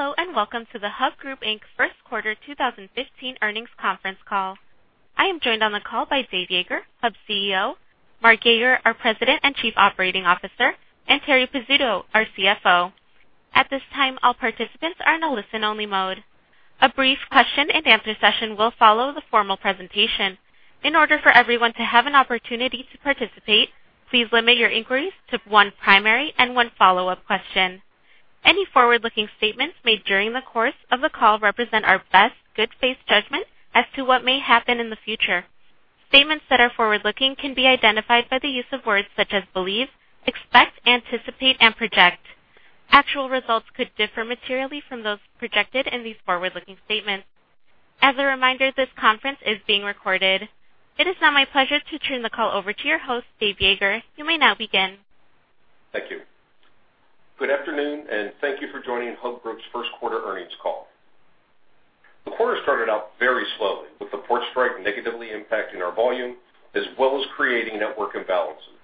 Hello, and welcome to the Hub Group Inc. first quarter 2015 earnings conference call. I am joined on the call by Dave Yeager, Hub CEO, Mark Yeager, our President and Chief Operating Officer, and Terri Pizzuto, our CFO. At this time, all participants are in a listen-only mode. A brief question-and-answer session will follow the formal presentation. In order for everyone to have an opportunity to participate, please limit your inquiries to one primary and one follow-up question. Any forward-looking statements made during the course of the call represent our best good faith judgment as to what may happen in the future. Statements that are forward-looking can be identified by the use of words such as believe, expect, anticipate, and project. Actual results could differ materially from those projected in these forward-looking statements. As a reminder, this conference is being recorded. It is now my pleasure to turn the call over to your host, Dave Yeager. You may now begin. Thank you. Good afternoon, and thank you for joining Hub Group's first quarter earnings call. The quarter started out very slowly, with the port strike negatively impacting our volume as well as creating network imbalances.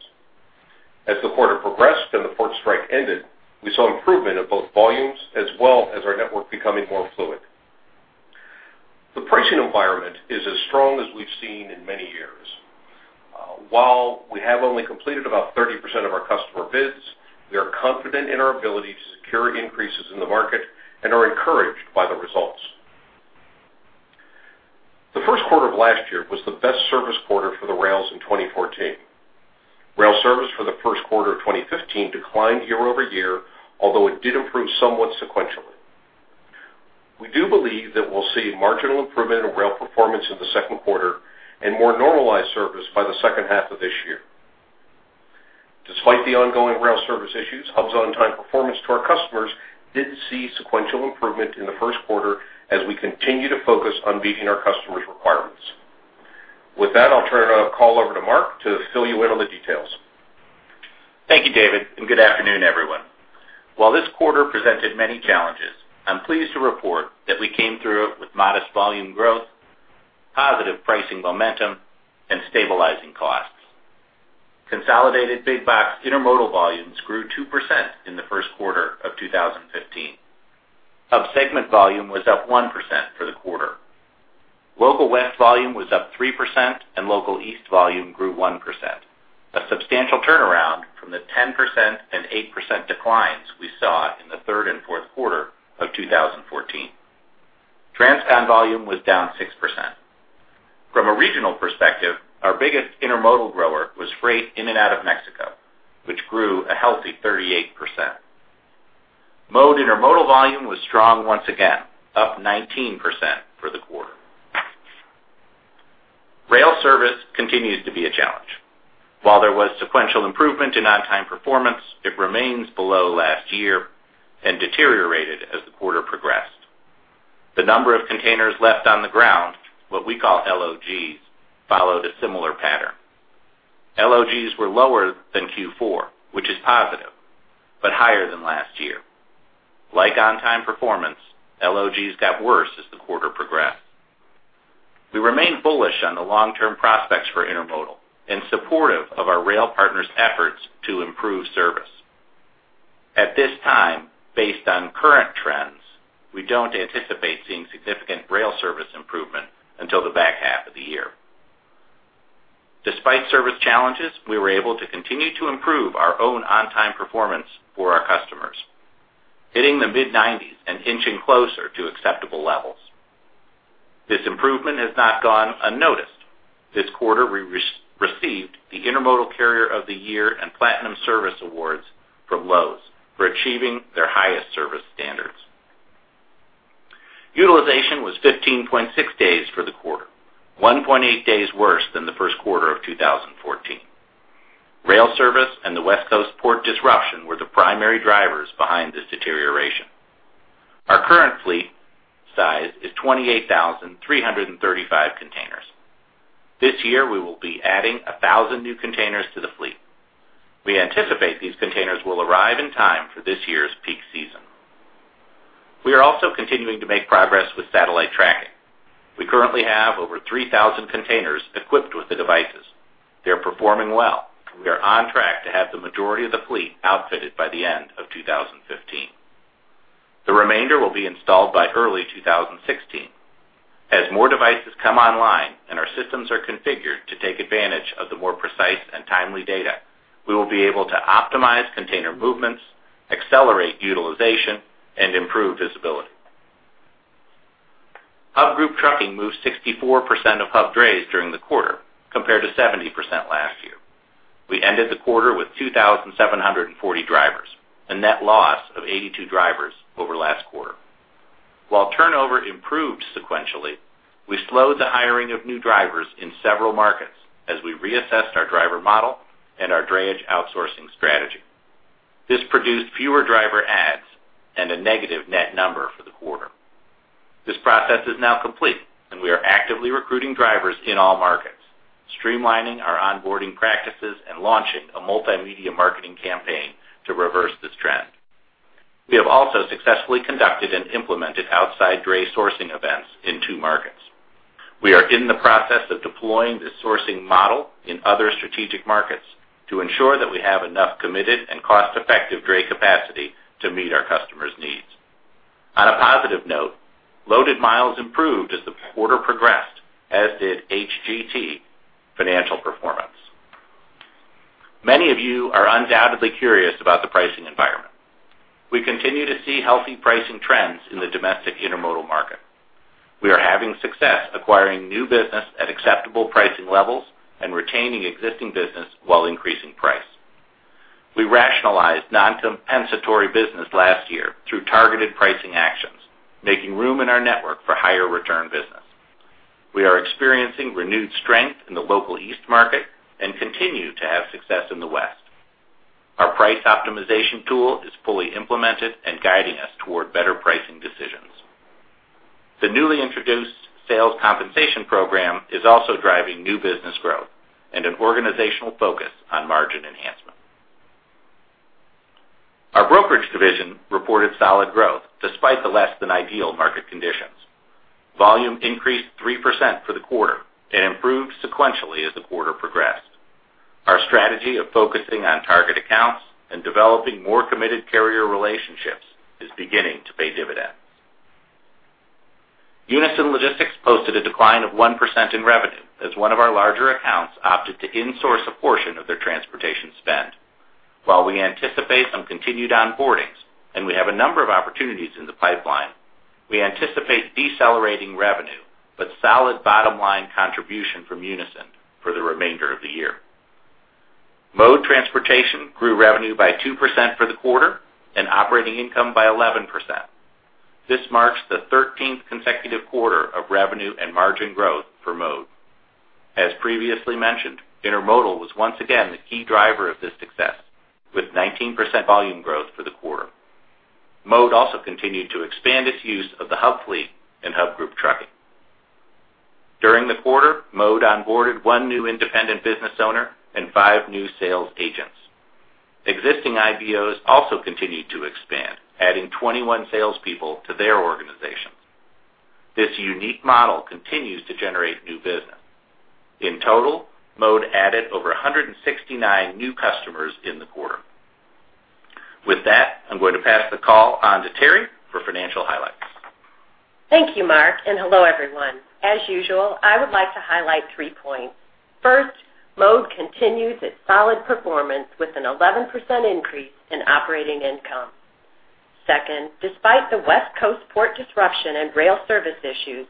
As the quarter progressed and the port strike ended, we saw improvement in both volumes as well as our network becoming more fluid. The pricing environment is as strong as we've seen in many years. While we have only completed about 30% of our customer bids, we are confident in our ability to secure increases in the market and are encouraged by the results. The first quarter of last year was the best service quarter for the rails in 2014. Rail service for the first quarter of 2015 declined year-over-year, although it did improve somewhat sequentially. We do believe that we'll see marginal improvement in rail performance in the second quarter and more normalized service by the second half of this year. Despite the ongoing rail service issues, Hub's on-time performance to our customers did see sequential improvement in the first quarter as we continue to focus on meeting our customers' requirements. With that, I'll turn the call over to Mark to fill you in on the details. Thank you, David, and good afternoon, everyone. While this quarter presented many challenges, I'm pleased to report that we came through it with modest volume growth, positive pricing momentum, and stabilizing costs. Consolidated big box intermodal volumes grew 2% in the first quarter of 2015. Hub segment volume was up 1% for the quarter. Local West volume was up 3%, and Local East volume grew 1%, a substantial turnaround from the 10% and 8% declines we saw in the third and fourth quarter of 2014. Transcon volume was down 6%. From a regional perspective, our biggest intermodal grower was freight in and out of Mexico, which grew a healthy 38%. Mode intermodal volume was strong once again, up 19% for the quarter. Rail service continues to be a challenge. While there was sequential improvement in on-time performance, it remains below last year and deteriorated as the quarter progressed. The number of containers left on the ground, what we call LOGs, followed a similar pattern. LOGs were lower than Q4, which is positive, but higher than last year. Like on-time performance, LOGs got worse as the quarter progressed. We remain bullish on the long-term prospects for intermodal and supportive of our rail partners' efforts to improve service. At this time, based on current trends, we don't anticipate seeing significant rail service improvement until the back half of the year. Despite service challenges, we were able to continue to improve our own on-time performance for our customers, hitting the mid-nineties and inching closer to acceptable levels. This improvement has not gone unnoticed. This quarter, we received the Intermodal Carrier of the Year and Platinum Service Awards for Lowe's for achieving their highest service standards. Utilization was 15.6 days for the quarter, 1.8 days worse than the first quarter of 2014. Rail service and the West Coast port disruption were the primary drivers behind this deterioration. Our current fleet size is 28,335 containers. This year, we will be adding 1,000 new containers to the fleet. We anticipate these containers will arrive in time for this year's peak season. We are also continuing to make progress with satellite tracking. We currently have over 3,000 containers equipped with the devices. They are performing well, and we are on track to have the majority of the fleet outfitted by the end of 2015. The remainder will be installed by early 2016. As more devices come online and our systems are configured to take advantage of the more precise and timely data, we will be able to optimize container movements, accelerate utilization, and improve visibility. Hub Group Trucking moved 64% of Hub drays during the quarter, compared to 70% last year. We ended the quarter with 2,740 drivers, a net loss of 82 drivers over last quarter. While turnover improved sequentially, we slowed the hiring of new drivers in several markets as we reassessed our driver model and our drayage outsourcing strategy. This produced fewer driver ads and a negative net number for the quarter. This process is now complete, and we are actively recruiting drivers in all markets, streamlining our onboarding practices and launching a multimedia marketing campaign to reverse this trend. We have also successfully conducted and implemented outside dray sourcing events in two markets. We are in the process of deploying this sourcing model in other strategic markets to ensure that we have enough committed and cost-effective dray capacity to meet our customers' needs. On a positive note, loaded miles improved as the quarter progressed, as did HGT financial performance. Many of you are undoubtedly curious about the pricing environment. We continue to see healthy pricing trends in the domestic intermodal market. We are having success acquiring new business at acceptable pricing levels and retaining existing business while increasing price. We rationalized non-compensatory business last year through targeted pricing actions, making room in our network for higher return business. We are experiencing renewed strength in the local East market and continue to have success in the West. Our price optimization tool is fully implemented and guiding us toward better pricing decisions. The newly introduced sales compensation program is also driving new business growth and an organizational focus on margin enhancement. Our brokerage division reported solid growth, despite the less-than-ideal market conditions. Volume +3% for the quarter and improved sequentially as the quarter progressed. Our strategy of focusing on target accounts and developing more committed carrier relationships is beginning to pay dividends. Unyson Logistics posted a decline of 1% in revenue, as one of our larger accounts opted to insource a portion of their transportation spend. While we anticipate some continued onboardings, and we have a number of opportunities in the pipeline, we anticipate decelerating revenue, but solid bottom-line contribution from Unyson for the remainder of the year. Mode Transportation grew revenue by 2% for the quarter and operating income by 11%. This marks the 13th consecutive quarter of revenue and margin growth for Mode. As previously mentioned, intermodal was once again the key driver of this success, with 19% volume growth for the quarter. Mode also continued to expand its use of the Hub fleet in Hub Group Trucking. During the quarter, Mode onboarded one new independent business owner and five new sales agents. Existing IBOs also continued to expand, adding 21 salespeople to their organizations. This unique model continues to generate new business. In total, Mode added over 169 new customers in the quarter. With that, I'm going to pass the call on to Terri for financial highlights. Thank you, Mark, and hello, everyone. As usual, I would like to highlight three points. First, Mode continues its solid performance with an 11% increase in operating income. Second, despite the West Coast port disruption and rail service issues,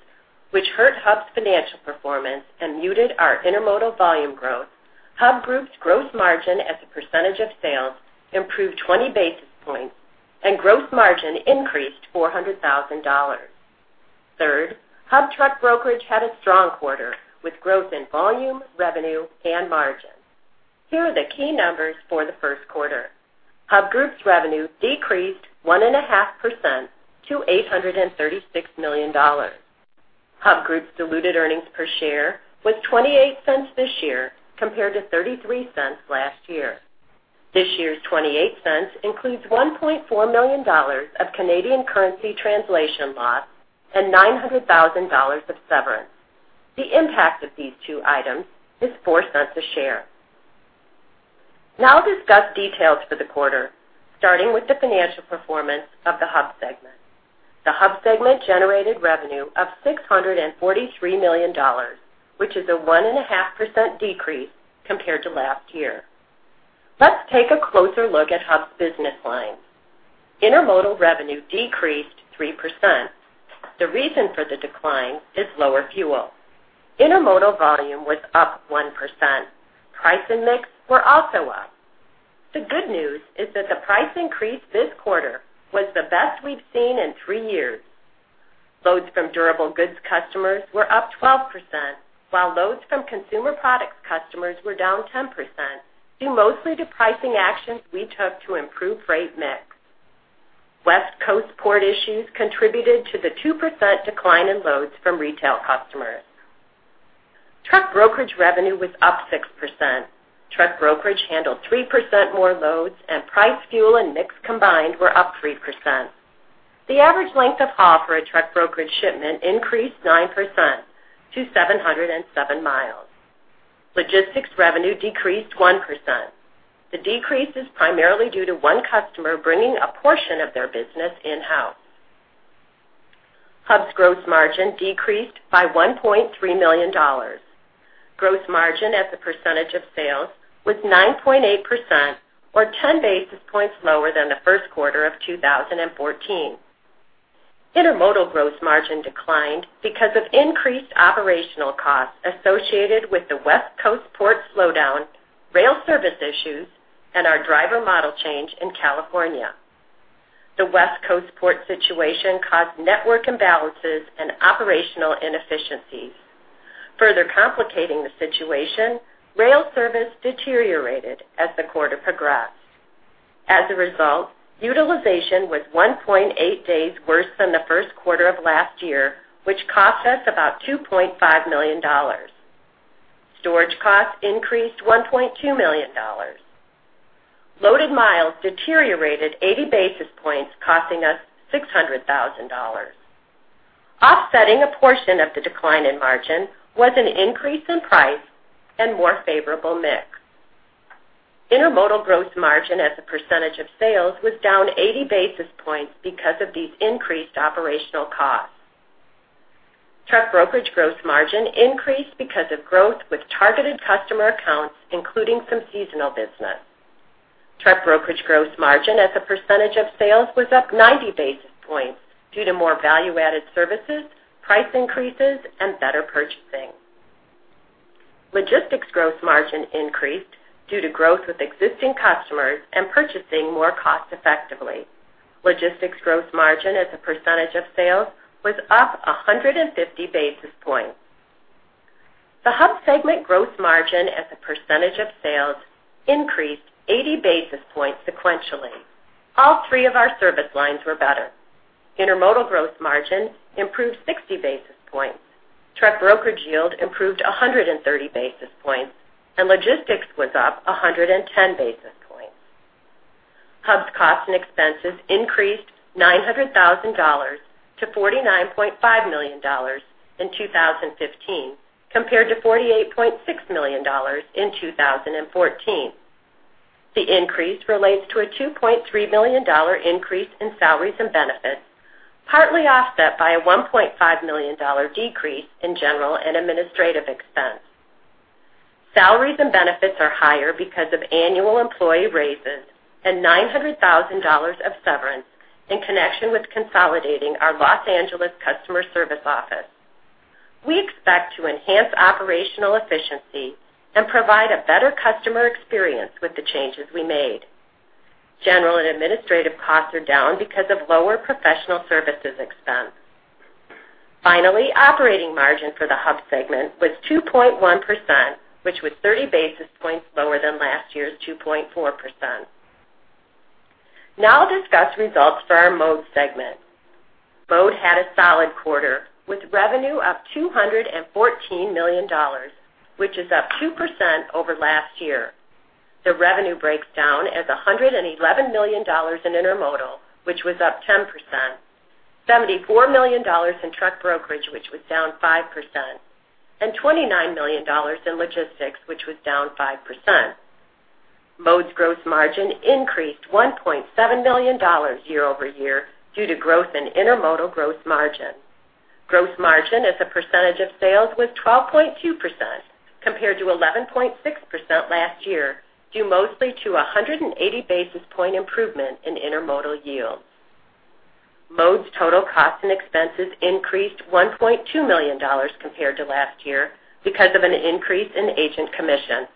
which hurt Hub's financial performance and muted our intermodal volume growth, Hub Group's gross margin as a percentage of sales improved 20 basis points, and gross margin increased $400,000. Third, Hub truck brokerage had a strong quarter, with growth in volume, revenue, and margin. Here are the key numbers for the first quarter. Hub Group's revenue -1.5% to $836 million. Hub Group's diluted earnings per share was $0.28 this year, compared to $0.33 last year. This year's $0.28 includes $1.4 million of Canadian currency translation loss and $900,000 of severance. The impact of these two items is $0.04 a share. Now I'll discuss details for the quarter, starting with the financial performance of the Hub segment. The Hub segment generated revenue of $643 million, which is a 1.5% decrease compared to last year. Let's take a closer look at Hub's business lines. Intermodal revenue -3%. The reason for the decline is lower fuel. Intermodal volume was up 1%. Price and mix were also up. The good news is that the price increase this quarter was the best we've seen in three years. Loads from durable goods customers were up 12%, while loads from consumer products customers were down 10%, due mostly to pricing actions we took to improve freight mix. West Coast port issues contributed to the 2% decline in loads from retail customers. Truck brokerage revenue was up 6%. Truck brokerage handled 3% more loads, and price, fuel, and mix combined were up 3%. The average length of haul for a truck brokerage shipment increased 9% to 707 miles. Logistics revenue -1%. The decrease is primarily due to one customer bringing a portion of their business in-house. Hub's gross margin decreased by $1.3 million. Gross margin as a percentage of sales was 9.8%, or 10 basis points lower than the first quarter of 2014. Intermodal gross margin declined because of increased operational costs associated with the West Coast port slowdown, rail service issues, and our driver model change in California. The West Coast port situation caused network imbalances and operational inefficiencies. Further complicating the situation, rail service deteriorated as the quarter progressed. As a result, utilization was 1.8 days worse than the first quarter of last year, which cost us about $2.5 million. Storage costs increased $1.2 million. Loaded miles deteriorated 80 basis points, costing us $600,000. Offsetting a portion of the decline in margin was an increase in price and more favorable mix. Intermodal gross margin as a percentage of sales was down 80 basis points because of these increased operational costs. Truck brokerage gross margin increased because of growth with targeted customer accounts, including some seasonal business. Truck brokerage gross margin as a percentage of sales was up 90 basis points due to more value-added services, price increases, and better purchasing. Logistics gross margin increased due to growth with existing customers and purchasing more cost-effectively. Logistics gross margin as a percentage of sales was up 150 basis points. The Hub segment gross margin as a percentage of sales increased 80 basis points sequentially. All three of our service lines were better. Intermodal gross margin improved 60 basis points. Truck brokerage yield improved 130 basis points, and logistics was up 110 basis points. Hub's costs and expenses increased $900,000 to $49.5 million in 2015, compared to $48.6 million in 2014. The increase relates to a $2.3 million increase in salaries and benefits, partly offset by a $1.5 million decrease in general and administrative expense. Salaries and benefits are higher because of annual employee raises and $900,000 of severance in connection with consolidating our Los Angeles customer service office. We expect to enhance operational efficiency and provide a better customer experience with the changes we made. General and administrative costs are down because of lower professional services expense. Finally, operating margin for the Hub segment was 2.1%, which was 30 basis points lower than last year's 2.4%. Now I'll discuss results for our Mode segment. Mode had a solid quarter, with revenue up $214 million, which is up 2% over last year. The revenue breaks down as $111 million in intermodal, which was up 10%, $74 million in truck brokerage, which was down 5%, and $29 million in logistics, which was down 5%. Mode's gross margin increased $1.7 million year-over-year due to growth in intermodal gross margin. Gross margin as a percentage of sales was 12.2%, compared to 11.6% last year, due mostly to 180 basis point improvement in intermodal yields. Mode's total costs and expenses increased $1.2 million compared to last year because of an increase in agent commission.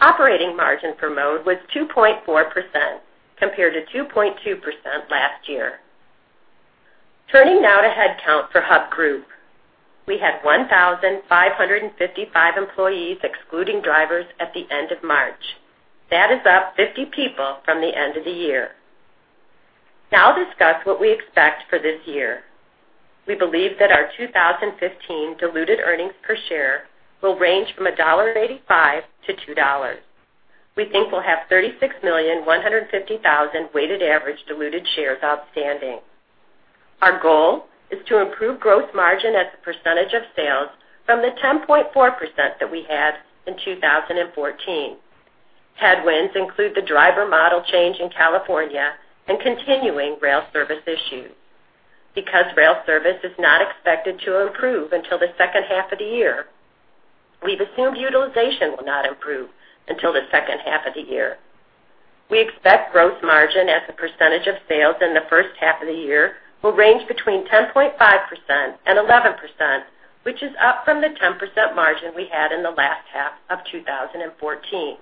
Operating margin for Mode was 2.4%, compared to 2.2% last year. Turning now to headcount for Hub Group. We had 1,555 employees, excluding drivers, at the end of March. That is up 50 people from the end of the year. Now I'll discuss what we expect for this year. We believe that our 2015 diluted earnings per share will range from $1.85-$2. We think we'll have 36,150,000 weighted average diluted shares outstanding. Our goal is to improve gross margin as a percentage of sales from the 10.4% that we had in 2014. Headwinds include the driver model change in California and continuing rail service issues. Because rail service is not expected to improve until the second half of the year, we've assumed utilization will not improve until the second half of the year. We expect gross margin as a percentage of sales in the first half of the year will range between 10.5% and 11%, which is up from the 10% margin we had in the last half of 2014.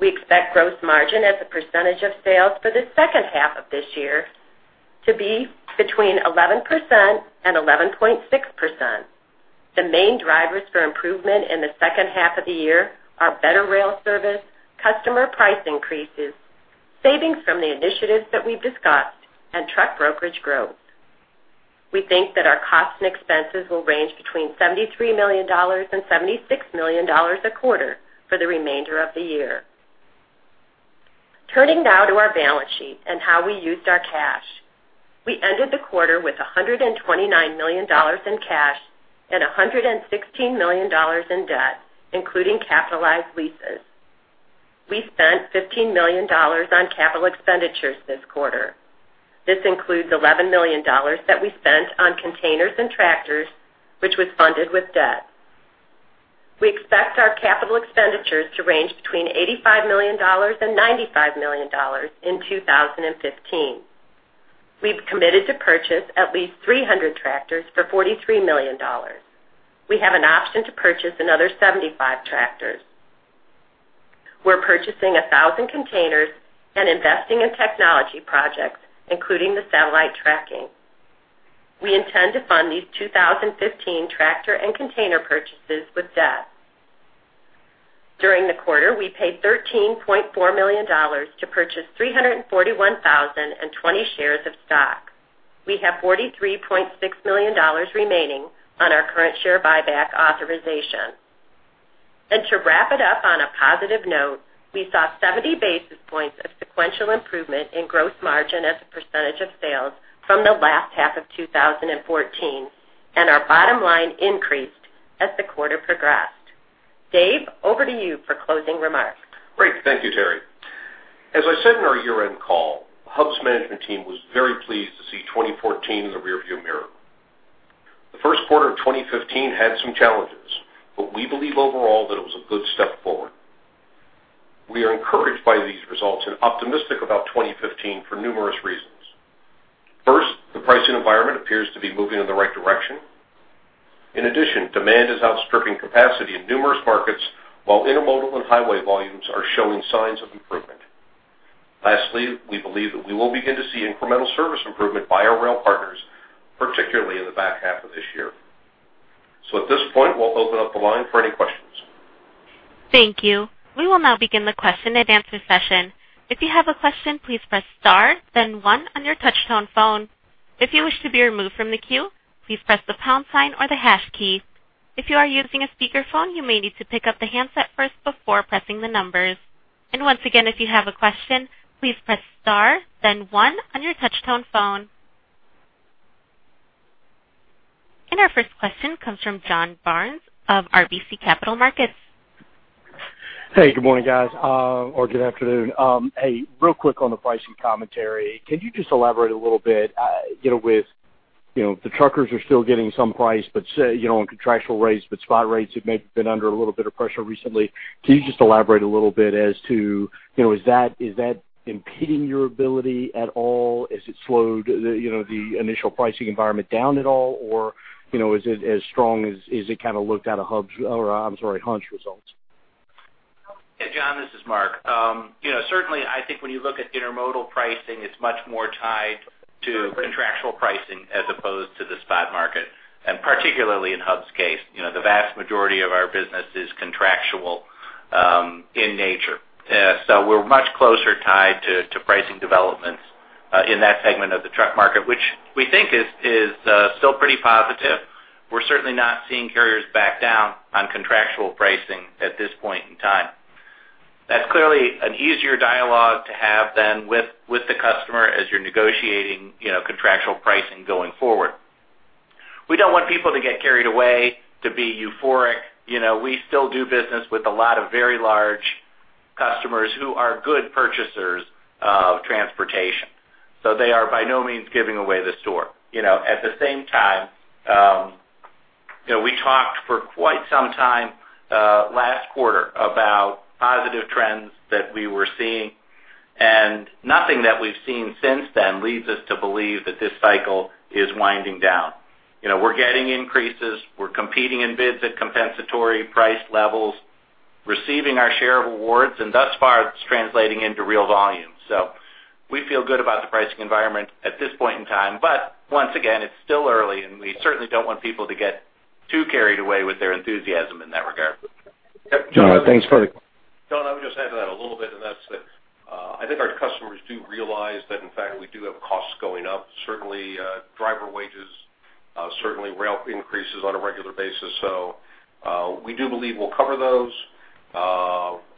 We expect gross margin as a percentage of sales for the second half of this year to be between 11% and 11.6%. The main drivers for improvement in the second half of the year are better rail service, customer price increases, savings from the initiatives that we've discussed, and truck brokerage growth. We think that our costs and expenses will range between $73 million and $76 million a quarter for the remainder of the year. Turning now to our balance sheet and how we used our cash. We ended the quarter with $129 million in cash and $116 million in debt, including capitalized leases. We spent $15 million on capital expenditures this quarter. This includes $11 million that we spent on containers and tractors, which was funded with debt. We expect our capital expenditures to range between $85 million and $95 million in 2015. We've committed to purchase at least 300 tractors for $43 million. We have an option to purchase another 75 tractors. We're purchasing 1,000 containers and investing in technology projects, including the satellite tracking. We intend to fund these 2015 tractor and container purchases with debt. During the quarter, we paid $13.4 million to purchase 341,020 shares of stock. We have $43.6 million remaining on our current share buyback authorization. To wrap it up on a positive note, we saw 70 basis points of sequential improvement in gross margin as a percentage of sales from the last half of 2014, and our bottom line increased as the quarter progressed. Dave, over to you for closing remarks. Great. Thank you, Terri. As I said in our year-end call, Hub's management team was very pleased to see 2014 in the rearview mirror. The first quarter of 2015 had some challenges, but we believe overall that it was a good step forward. We are encouraged by these results and optimistic about 2015 for numerous reasons. First, the pricing environment appears to be moving in the right direction. In addition, demand is outstripping capacity in numerous markets, while intermodal and highway volumes are showing signs of improvement. Lastly, we believe that we will begin to see incremental service improvement by our rail partners, particularly in the back half of this year. So at this point, we'll open up the line for any questions. Thank you. We will now begin the question-and-answer session. If you have a question, please press star, then one on your touch-tone phone. If you wish to be removed from the queue, please press the pound sign or the hash key. If you are using a speakerphone, you may need to pick up the handset first before pressing the numbers. And once again, if you have a question, please press star, then one on your touch-tone phone. And our first question comes from John Barnes of RBC Capital Markets. Hey, good morning, guys, or good afternoon. Hey, real quick on the pricing commentary. Can you just elaborate a little bit, you know, with, you know, the truckers are still getting some price, but, say, you know, on contractual rates, but spot rates have maybe been under a little bit of pressure recently. Can you just elaborate a little bit as to, you know, is that, is that impeding your ability at all? Has it slowed, you know, the initial pricing environment down at all? Or, you know, is it as strong as, as it kind of looked out of Hub's or I'm sorry, Hunt's results? Hey, John, this is Mark. You know, certainly, I think when you look at intermodal pricing, it's much more tied to contractual pricing as opposed to the spot market, and particularly in Hub's case, you know, the vast majority of our business is contractual in nature. So we're much closer tied to pricing developments in that segment of the truck market, which we think is still pretty positive. We're certainly not seeing carriers back down on contractual pricing at this point in time. That's clearly an easier dialogue to have than with the customer as you're negotiating, you know, contractual pricing going forward. We don't want people to get carried away, to be euphoric. You know, we still do business with a lot of very large customers who are good purchasers of transportation, so they are by no means giving away the store. You know, at the same time, you know, we talked for quite some time, last quarter about positive trends that we were seeing, and nothing that we've seen since then leads us to believe that this cycle is winding down. You know, we're getting increases, we're competing in bids at compensatory price levels, receiving our share of awards, and thus far, it's translating into real volume. So we feel good about the pricing environment at this point in time. But once again, it's still early, and we certainly don't want people to get too carried away with their enthusiasm in that regard. Yep. John, thanks for it. John, I would just add to that a little bit, and that's that, I think our customers do realize that in fact, we do have costs going up, certainly, driver wages, certainly rail increases on a regular basis. So, we do believe we'll cover those,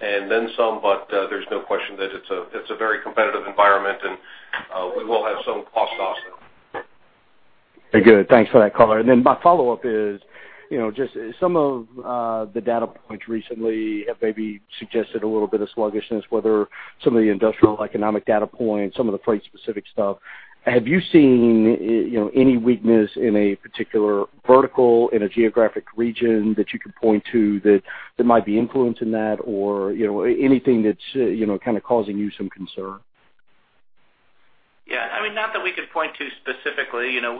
and then some, but, there's no question that it's a very competitive environment, and, we will have some cost also. Good. Thanks for that color. And then my follow-up is, you know, just some of the data points recently have maybe suggested a little bit of sluggishness, whether some of the industrial economic data points, some of the freight-specific stuff. Have you seen, you know, any weakness in a particular vertical, in a geographic region that you can point to that might be influencing that, or, you know, anything that's, you know, kind of causing you some concern? Yeah, I mean, not that we could point to specifically. You know,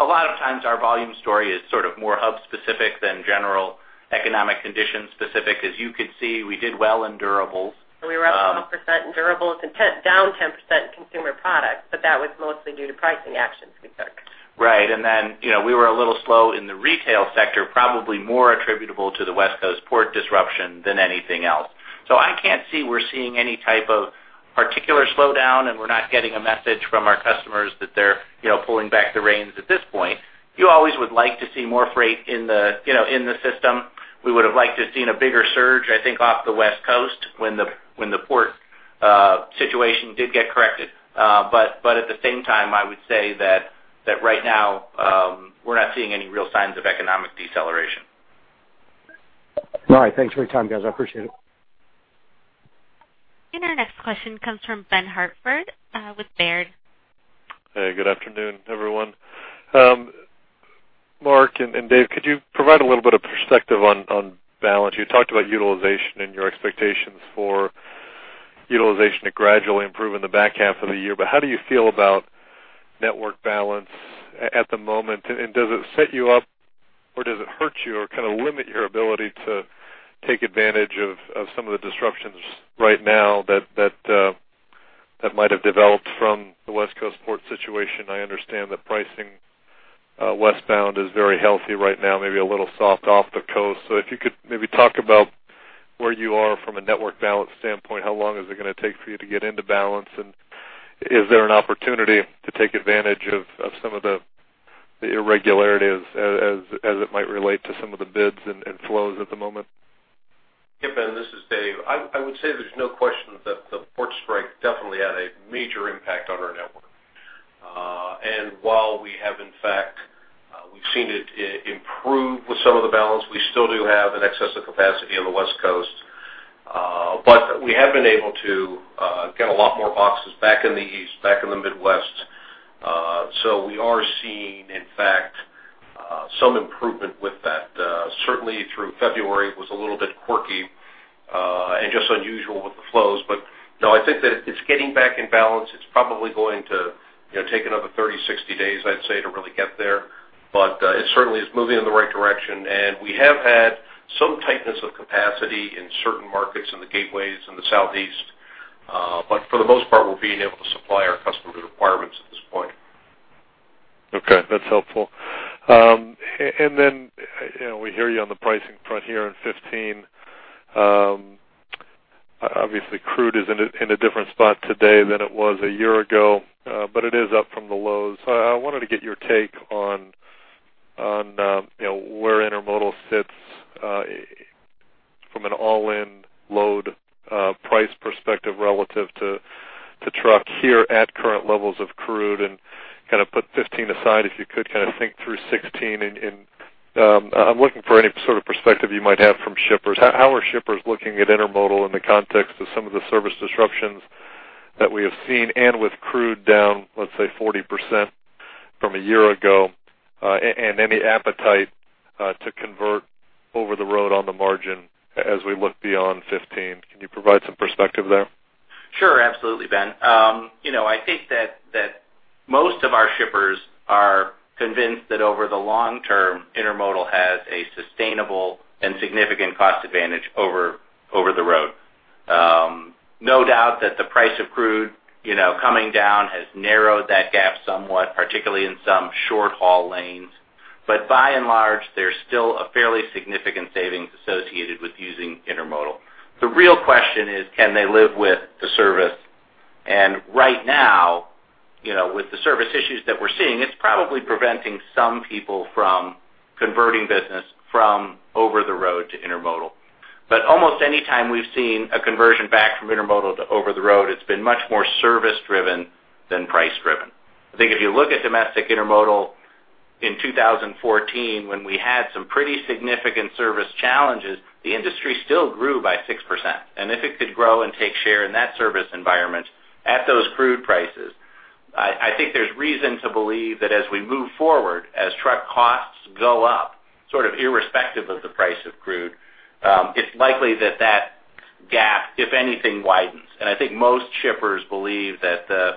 a lot of times our volume story is sort of more Hub-specific than general economic conditions specific. As you could see, we did well in durables. We were up 12% in durables, and down 10% in consumer products, but that was mostly due to pricing actions we took. Right. And then, you know, we were a little slow in the retail sector, probably more attributable to the West Coast port disruption than anything else. So I can't see we're seeing any type of particular slowdown, and we're not getting a message from our customers that they're, you know, pulling back the reins at this point. You always would like to see more freight in the, you know, in the system. We would have liked to have seen a bigger surge, I think, off the West Coast when the port situation did get corrected. But at the same time, I would say that right now, we're not seeing any real signs of economic deceleration. All right. Thanks for your time, guys. I appreciate it. Our next question comes from Ben Hartford, with Baird. Hey, good afternoon, everyone. Mark and Dave, could you provide a little bit of perspective on balance? You talked about utilization and your expectations for utilization to gradually improve in the back half of the year. But how do you feel about network balance at the moment, and does it set you up, or does it hurt you or kind of limit your ability to take advantage of some of the disruptions right now that might have developed from the West Coast port situation? I understand that pricing westbound is very healthy right now, maybe a little soft off the coast. So if you could maybe talk about where you are from a network balance standpoint, how long is it going to take for you to get into balance? Is there an opportunity to take advantage of some of the irregularities as it might relate to some of the bids and flows at the moment? Yeah, Ben, this is Dave. I would say there's no question that the port strike definitely had a major impact on our network. And while we have, in fact, we've seen it improve with some of the balance, we still do have an excess of capacity on the West Coast. But we have been able to get a lot more boxes back in the East, back in the Midwest. So we are seeing, in fact, some improvement with that. Certainly through February, it was a little bit quirky and just unusual with the flows. But no, I think that it's getting back in balance. It's probably going to, you know, take another 30, 60 days, I'd say, to really get there. It certainly is moving in the right direction, and we have had some tightness of capacity in certain markets in the gateways in the Southeast. For the most part, we're being able to supply our customer requirements at this point. Okay, that's helpful. And then, you know, we hear you on the pricing front here in 2015. Obviously, crude is in a different spot today than it was a year ago, but it is up from the lows. So I wanted to get your take on, you know, where intermodal sits from an all-in load price perspective relative to truck here at current levels of crude, and kind of put 2015 aside, if you could kind of think through 2016. I'm looking for any sort of perspective you might have from shippers. How are shippers looking at intermodal in the context of some of the service disruptions that we have seen, and with crude down, let's say, 40% from a year ago, and any appetite to convert over the road on the margin as we look beyond 2015? Can you provide some perspective there? Sure, absolutely, Ben. You know, I think that most of our shippers are convinced that over the long term, intermodal has a sustainable and significant cost advantage over the road. No doubt that the price of crude, you know, coming down, has narrowed that gap somewhat, particularly in some short-haul lanes. But by and large, there's still a fairly significant savings associated with using intermodal. The real question is, can they live with the service? And right now, you know, with the service issues that we're seeing, it's probably preventing some people from converting business from over the road to intermodal. But almost anytime we've seen a conversion back from intermodal to over the road, it's been much more service driven than price driven. I think if you look at domestic intermodal in 2014, when we had some pretty significant service challenges, the industry still grew by 6%. And if it could grow and take share in that service environment at those crude prices, I think there's reason to believe that as we move forward, as truck costs go up, sort of irrespective of the price of crude, it's likely that that gap, if anything, widens. And I think most shippers believe that the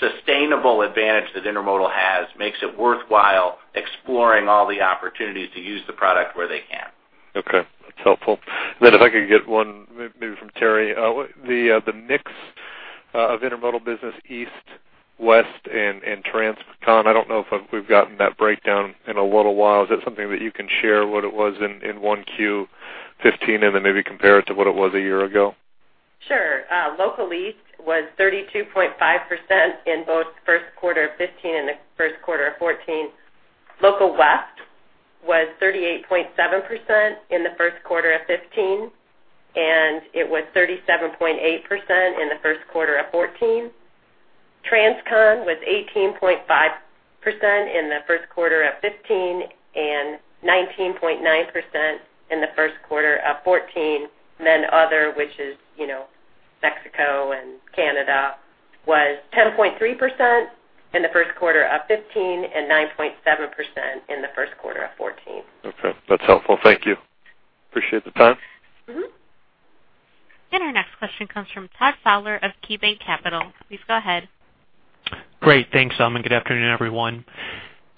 sustainable advantage that intermodal has makes it worthwhile exploring all the opportunities to use the product where they can. Okay. That's helpful. And then if I could get one maybe from Terri. The mix of intermodal business, East, West, and transcon, I don't know if we've gotten that breakdown in a little while. Is that something that you can share, what it was in 1Q 2015, and then maybe compare it to what it was a year ago? Sure. Local East was 32.5% in both first quarter of 2015 and the first quarter of 2014. Local West was 38.7% in the first quarter of 2015, and it was 37.8% in the first quarter of 2014. Transcon was 18.5% in the first quarter of 2015, and 19.9% in the first quarter of 2014. Then other, which is, you know, Mexico and Canada, was 10.3% in the first quarter of 2015 and 9.7% in the first quarter of 2014. Okay. That's helpful. Thank you. Appreciate the time. Mm-hmm. Our next question comes from Todd Fowler of KeyBanc Capital Markets. Please go ahead. Great. Thanks, and good afternoon, everyone.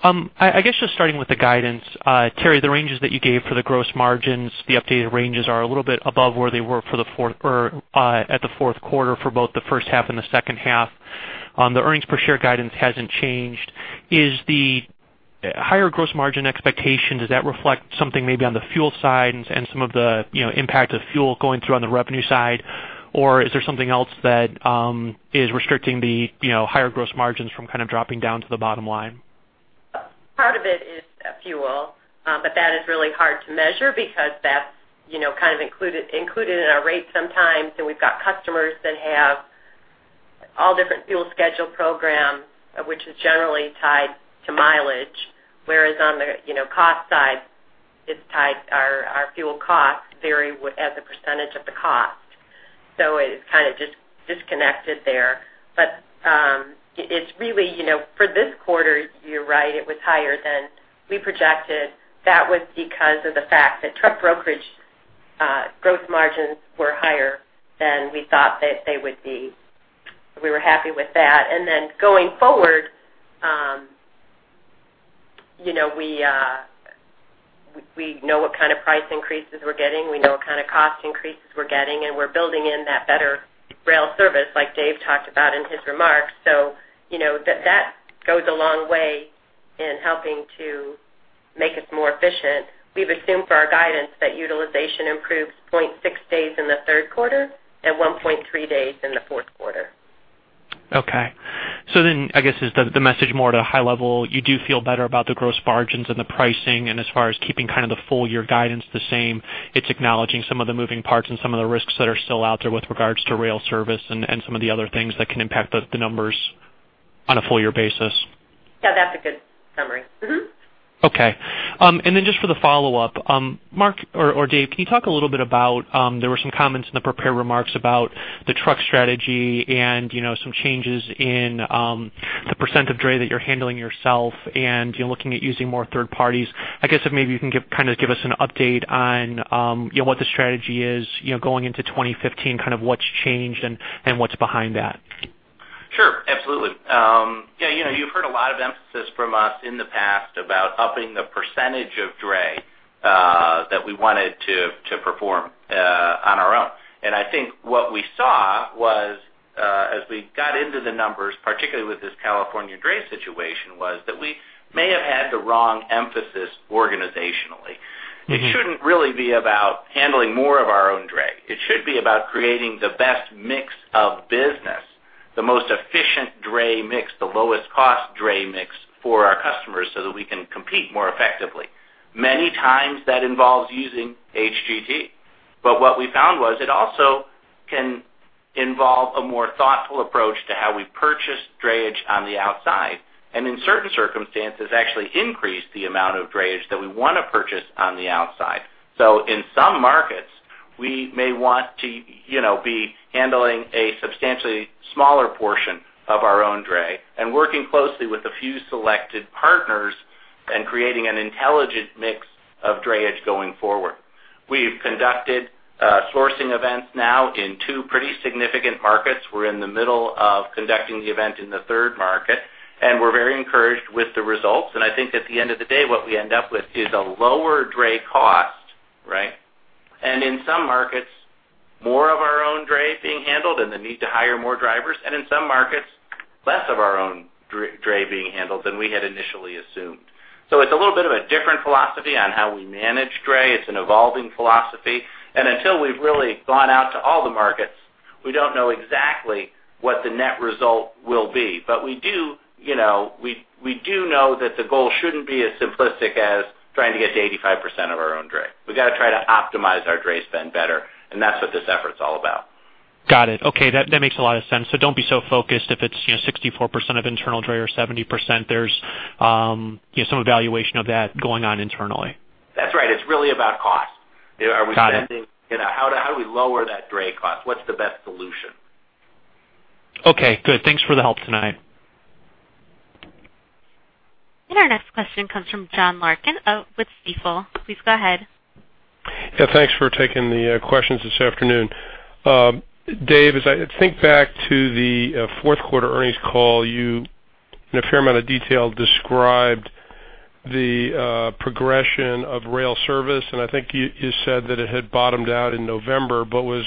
I guess just starting with the guidance, Terri, the ranges that you gave for the gross margins, the updated ranges are a little bit above where they were for the fourth quarter for both the first half and the second half. The earnings per share guidance hasn't changed. Is the higher gross margin expectation, does that reflect something maybe on the fuel side and some of the, you know, impact of fuel going through on the revenue side? Or is there something else that is restricting the, you know, higher gross margins from kind of dropping down to the bottom line? Part of it is fuel, but that is really hard to measure because that's, you know, kind of included in our rate sometimes. And we've got customers that have all different fuel schedule programs, which is generally tied to mileage, whereas on the, you know, cost side, it's tied. Our fuel costs vary with as a percentage of the cost. So it's kind of disconnected there. But it's really, you know, for this quarter, you're right, it was higher than we projected. That was because of the fact that truck brokerage growth margins were higher than we thought that they would be. We were happy with that. And then going forward, you know, we know what kind of price increases we're getting. We know what kind of cost increases we're getting, and we're building in that better rail service, like Dave talked about in his remarks. So, you know, that, that goes a long way. and helping to make us more efficient, we've assumed for our guidance that utilization improves 0.6 days in the third quarter and 1.3 days in the fourth quarter. Okay. So then, I guess, is the message more at a high level, you do feel better about the gross margins and the pricing, and as far as keeping kind of the full year guidance the same, it's acknowledging some of the moving parts and some of the risks that are still out there with regards to rail service and some of the other things that can impact the numbers on a full year basis? Yeah, that's a good summary. Mm-hmm. Okay. And then just for the follow-up, Mark or Dave, can you talk a little bit about there were some comments in the prepared remarks about the truck strategy and, you know, some changes in the percent of dray that you're handling yourself and, you know, looking at using more third parties. I guess if maybe you can kind of give us an update on, you know, what the strategy is, you know, going into 2015, kind of what's changed and what's behind that? Sure. Absolutely. Yeah, you know, you've heard a lot of emphasis from us in the past about upping the percentage of dray that we wanted to perform on our own. And I think what we saw was, as we got into the numbers, particularly with this California dray situation, was that we may have had the wrong emphasis organizationally. Mm-hmm. It shouldn't really be about handling more of our own dray. It should be about creating the best mix of business, the most efficient dray mix, the lowest cost dray mix for our customers, so that we can compete more effectively. Many times that involves using HGT. But what we found was it also can involve a more thoughtful approach to how we purchase drayage on the outside, and in certain circumstances, actually increase the amount of drayage that we want to purchase on the outside. So in some markets, we may want to, you know, be handling a substantially smaller portion of our own dray and working closely with a few selected partners and creating an intelligent mix of drayage going forward. We've conducted, sourcing events now in two pretty significant markets. We're in the middle of conducting the event in the third market, and we're very encouraged with the results. I think at the end of the day, what we end up with is a lower dray cost, right? In some markets, more of our own dray being handled and the need to hire more drivers, and in some markets, less of our own dray being handled than we had initially assumed. So it's a little bit of a different philosophy on how we manage dray. It's an evolving philosophy, and until we've really gone out to all the markets, we don't know exactly what the net result will be. But we do, you know, we do know that the goal shouldn't be as simplistic as trying to get to 85% of our own dray. We gotta try to optimize our dray spend better, and that's what this effort's all about. Got it. Okay, that makes a lot of sense. So don't be so focused if it's, you know, 64% of internal dray or 70%, there's, you know, some evaluation of that going on internally. That's right. It's really about cost. Got it. Are we spending, you know, how do we lower that dray cost? What's the best solution? Okay, good. Thanks for the help tonight. Our next question comes from John Larkin with Stifel. Please go ahead. Yeah, thanks for taking the questions this afternoon. Dave, as I think back to the fourth quarter earnings call, you, in a fair amount of detail, described the progression of rail service, and I think you said that it had bottomed out in November, but was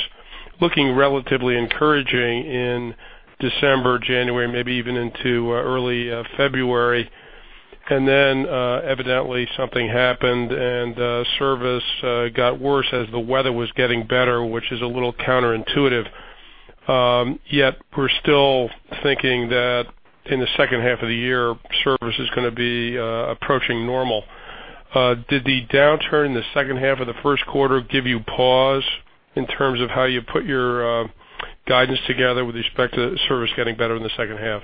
looking relatively encouraging in December, January, maybe even into early February. Then, evidently, something happened and service got worse as the weather was getting better, which is a little counterintuitive. Yet, we're still thinking that in the second half of the year, service is gonna be approaching normal. Did the downturn in the second half of the first quarter give you pause in terms of how you put your guidance together with respect to service getting better in the second half?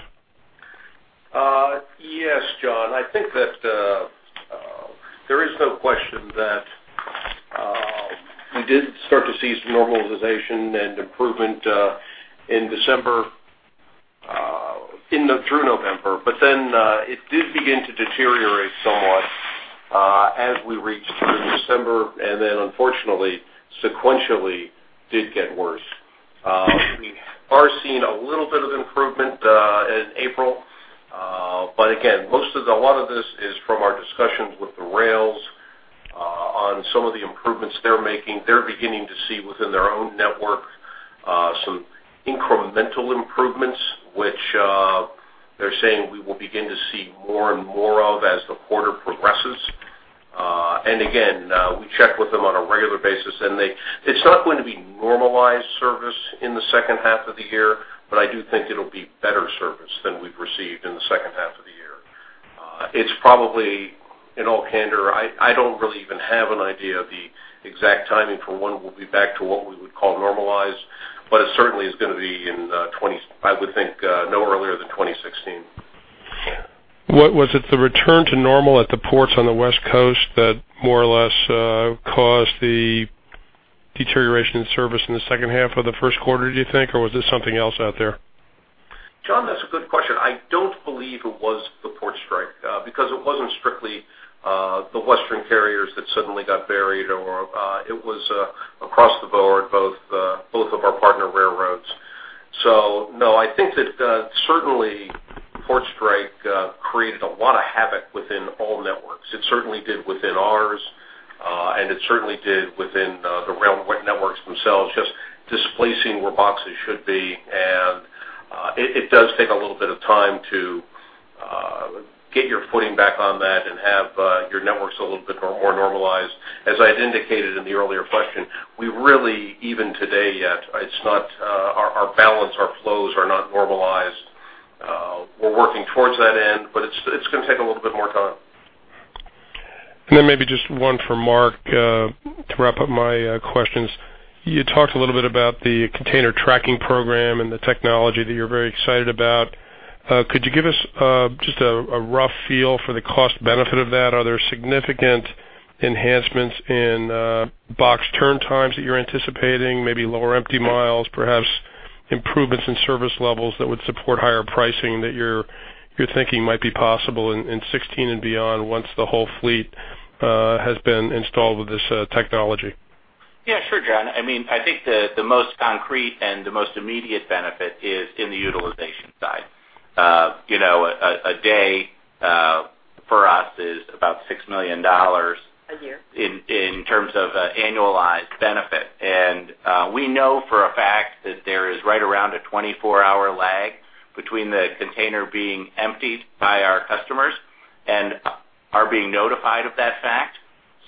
Yes, John, I think that there is no question that we did start to see some normalization and improvement in December through November. But then, it did begin to deteriorate somewhat as we reached through December, and then unfortunately, sequentially, did get worse. We are seeing a little bit of improvement in April, but again, most of the- a lot of this is from our discussions with the rails on some of the improvements they're making. They're beginning to see within their own network some incremental improvements, which they're saying we will begin to see more and more of as the quarter progresses. And again, we check with them on a regular basis, and they. It's not going to be normalized service in the second half of the year, but I do think it'll be better service than we've received in the second half of the year. It's probably an old hander. I don't really even have an idea of the exact timing for when we'll be back to what we would call normalized, but it certainly is gonna be in twenty- I would think, no earlier than 2016. What was it, the return to normal at the ports on the West Coast that more or less caused the deterioration in service in the second half of the first quarter, do you think, or was this something else out there? John, that's a good question. I don't believe it was the port strike, because it wasn't strictly the Western carriers that suddenly got buried or it was across the board, both both of our partner railroads. So no, I think that certainly port strike created a lot of havoc within all networks. It certainly did within ours, and it certainly did within the rail networks themselves, just displacing where boxes should be. And it does take a little bit of time to get your footing back on that and have your networks a little bit more normalized. As I had indicated in the earlier question, we really, even today, yet, it's not our our balance, our flows are not normalized. We're working towards that end, but it's gonna take a little bit more time. And then maybe just one for Mark, to wrap up my questions. You talked a little bit about the container tracking program and the technology that you're very excited about. Could you give us just a rough feel for the cost benefit of that? Are there significant enhancements in box turn times that you're anticipating, maybe lower empty miles, perhaps improvements in service levels that would support higher pricing that you're thinking might be possible in 2016 and beyond, once the whole fleet has been installed with this technology? Yeah, sure, John. I mean, I think the most concrete and the most immediate benefit is in the utilization side. You know, a day for us is about $6 million- A year. in terms of annualized benefit. And we know for a fact that there is right around a 24-hour lag between the container being emptied by our customers and our being notified of that fact.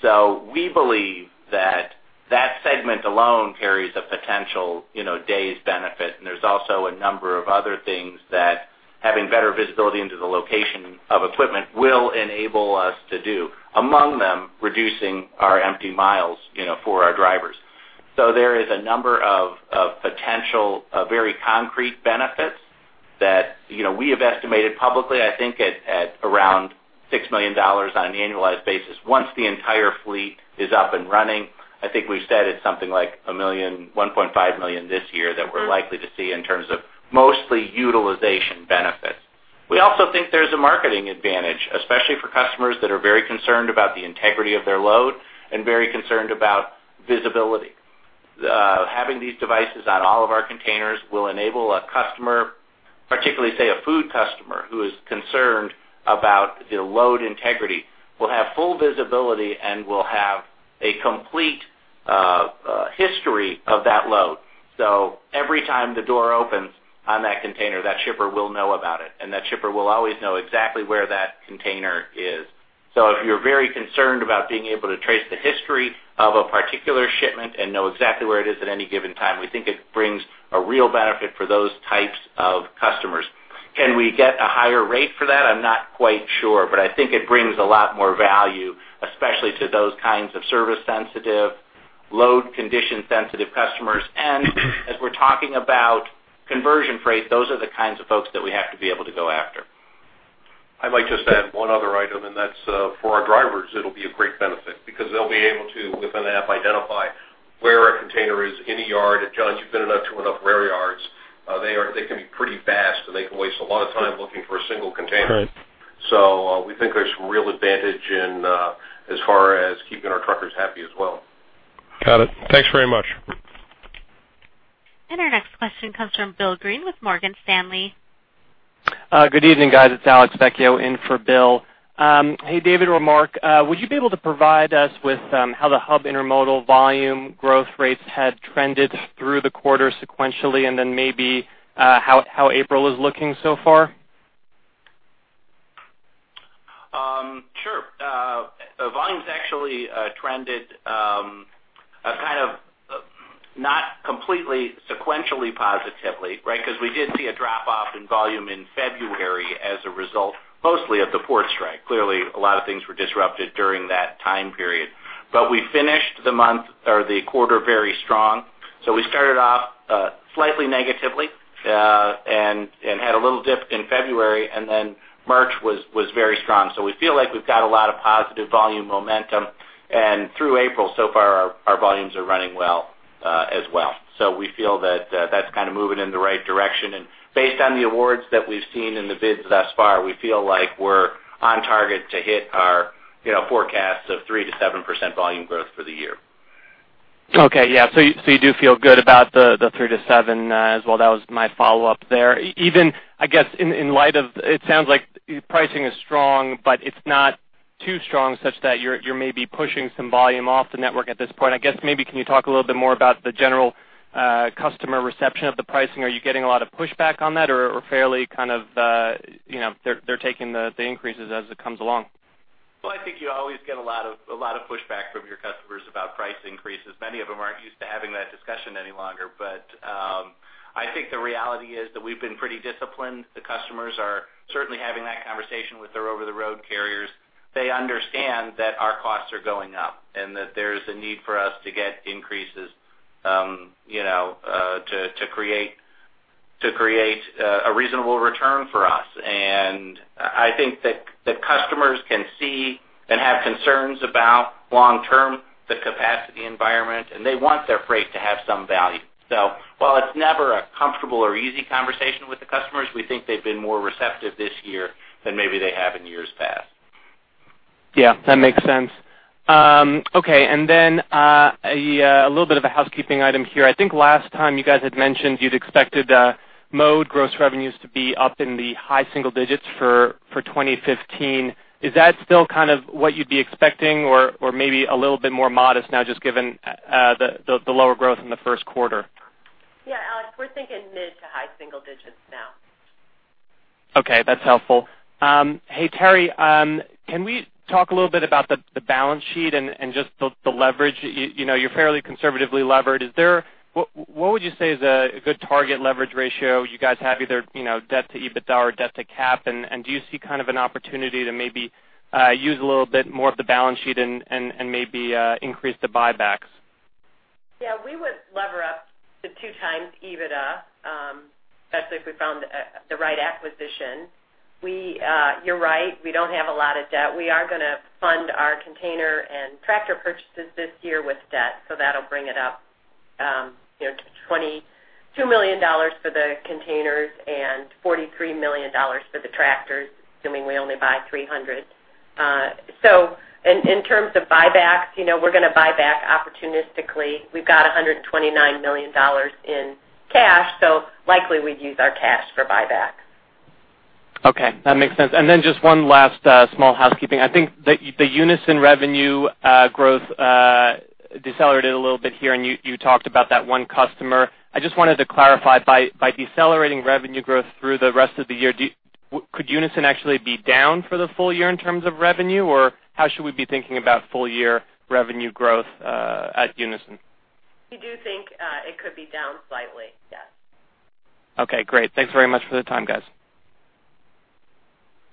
So we believe that that segment alone carries a potential, you know, days benefit. And there's also a number of other things that having better visibility into the location of equipment will enable us to do, among them, reducing our empty miles, you know, for our drivers. So there is a number of potential very concrete benefits that, you know, we have estimated publicly, I think, at around $6 million on an annualized basis. Once the entire fleet is up and running, I think we've said it's something like $1 million-$1.5 million this year that we're likely to see in terms of mostly utilization benefits. We also think there's a marketing advantage, especially for customers that are very concerned about the integrity of their load and very concerned about visibility. Having these devices on all of our containers will enable a customer, particularly, say, a food customer, who is concerned about the load integrity, will have full visibility and will have a complete history of that load. So every time the door opens on that container, that shipper will know about it, and that shipper will always know exactly where that container is. So if you're very concerned about being able to trace the history of a particular shipment and know exactly where it is at any given time, we think it brings a real benefit for those types of customers. Can we get a higher rate for that? I'm not quite sure, but I think it brings a lot more value, especially to those kinds of service-sensitive, load condition-sensitive customers. And as we're talking about conversion freight, those are the kinds of folks that we have to be able to go after. I'd like just to add one other item, and that's for our drivers, it'll be a great benefit because they'll be able to, with an app, identify where a container is in a yard. And John, you've been to enough railyards, they can be pretty vast, and they can waste a lot of time looking for a single container. Right. So, we think there's some real advantage in, as far as keeping our truckers happy as well. Got it. Thanks very much. Our next question comes from Bill Greene with Morgan Stanley. Good evening, guys. It's Alex Vecchio, in for Bill. Hey, Dave or Mark, would you be able to provide us with how the Hub intermodal volume growth rates had trended through the quarter sequentially, and then maybe how April is looking so far? Sure. Volumes actually trended kind of not completely sequentially positively, right? Because we did see a drop-off in volume in February as a result, mostly of the port strike. Clearly, a lot of things were disrupted during that time period. But we finished the month or the quarter very strong. So we started off slightly negatively and had a little dip in February, and then March was very strong. So we feel like we've got a lot of positive volume momentum. And through April, so far, our volumes are running well as well. So we feel that that's kind of moving in the right direction. Based on the awards that we've seen in the bids thus far, we feel like we're on target to hit our, you know, forecasts of 3%-7% volume growth for the year. Okay, yeah. So you do feel good about the 3%-7% as well? That was my follow-up there. Even, I guess, in light of... It sounds like pricing is strong, but it's not too strong, such that you're maybe pushing some volume off the network at this point. I guess maybe can you talk a little bit more about the general customer reception of the pricing? Are you getting a lot of pushback on that, or fairly kind of, you know, they're taking the increases as it comes along? Well, I think you always get a lot of, a lot of pushback from your customers about price increases. Many of them aren't used to having that discussion any longer. But I think the reality is that we've been pretty disciplined. The customers are certainly having that conversation with their over-the-road carriers. They understand that our costs are going up and that there is a need for us to get increases, you know, to create a reasonable return for us. And I think that the customers can see and have concerns about long-term the capacity environment, and they want their freight to have some value. So while it's never a comfortable or easy conversation with the customers, we think they've been more receptive this year than maybe they have in years past. Yeah, that makes sense. Okay, and then a little bit of a housekeeping item here. I think last time you guys had mentioned you'd expected Mode gross revenues to be up in the high single digits for 2015. Is that still kind of what you'd be expecting, or maybe a little bit more modest now, just given the lower growth in the first quarter? Yeah, Alex, we're thinking mid to high single digits now. Okay, that's helpful. Hey, Terri, can we talk a little bit about the balance sheet and just the leverage? You know, you're fairly conservatively levered. What would you say is a good target leverage ratio? You guys have either, you know, debt to EBITDA or debt to cap, and do you see kind of an opportunity to maybe use a little bit more of the balance sheet and maybe increase the buybacks? Yeah, we would lever up to 2x EBITDA, that's if we found the right acquisition. You're right, we don't have a lot of debt. We are gonna fund our container and tractor purchases this year with debt, so that'll bring it up, you know, to $22 million for the containers and $43 million for the tractors, assuming we only buy 300. So in, in terms of buybacks, you know, we're gonna buy back opportunistically. We've got $129 million in cash, so likely we'd use our cash for buyback. Okay, that makes sense. And then just one last small housekeeping. I think the Unyson revenue growth decelerated a little bit here, and you talked about that one customer. I just wanted to clarify, by decelerating revenue growth through the rest of the year, could Unyson actually be down for the full year in terms of revenue? Or how should we be thinking about full year revenue growth at Unyson? We do think, it could be down slightly, yes. Okay, great. Thanks very much for the time, guys.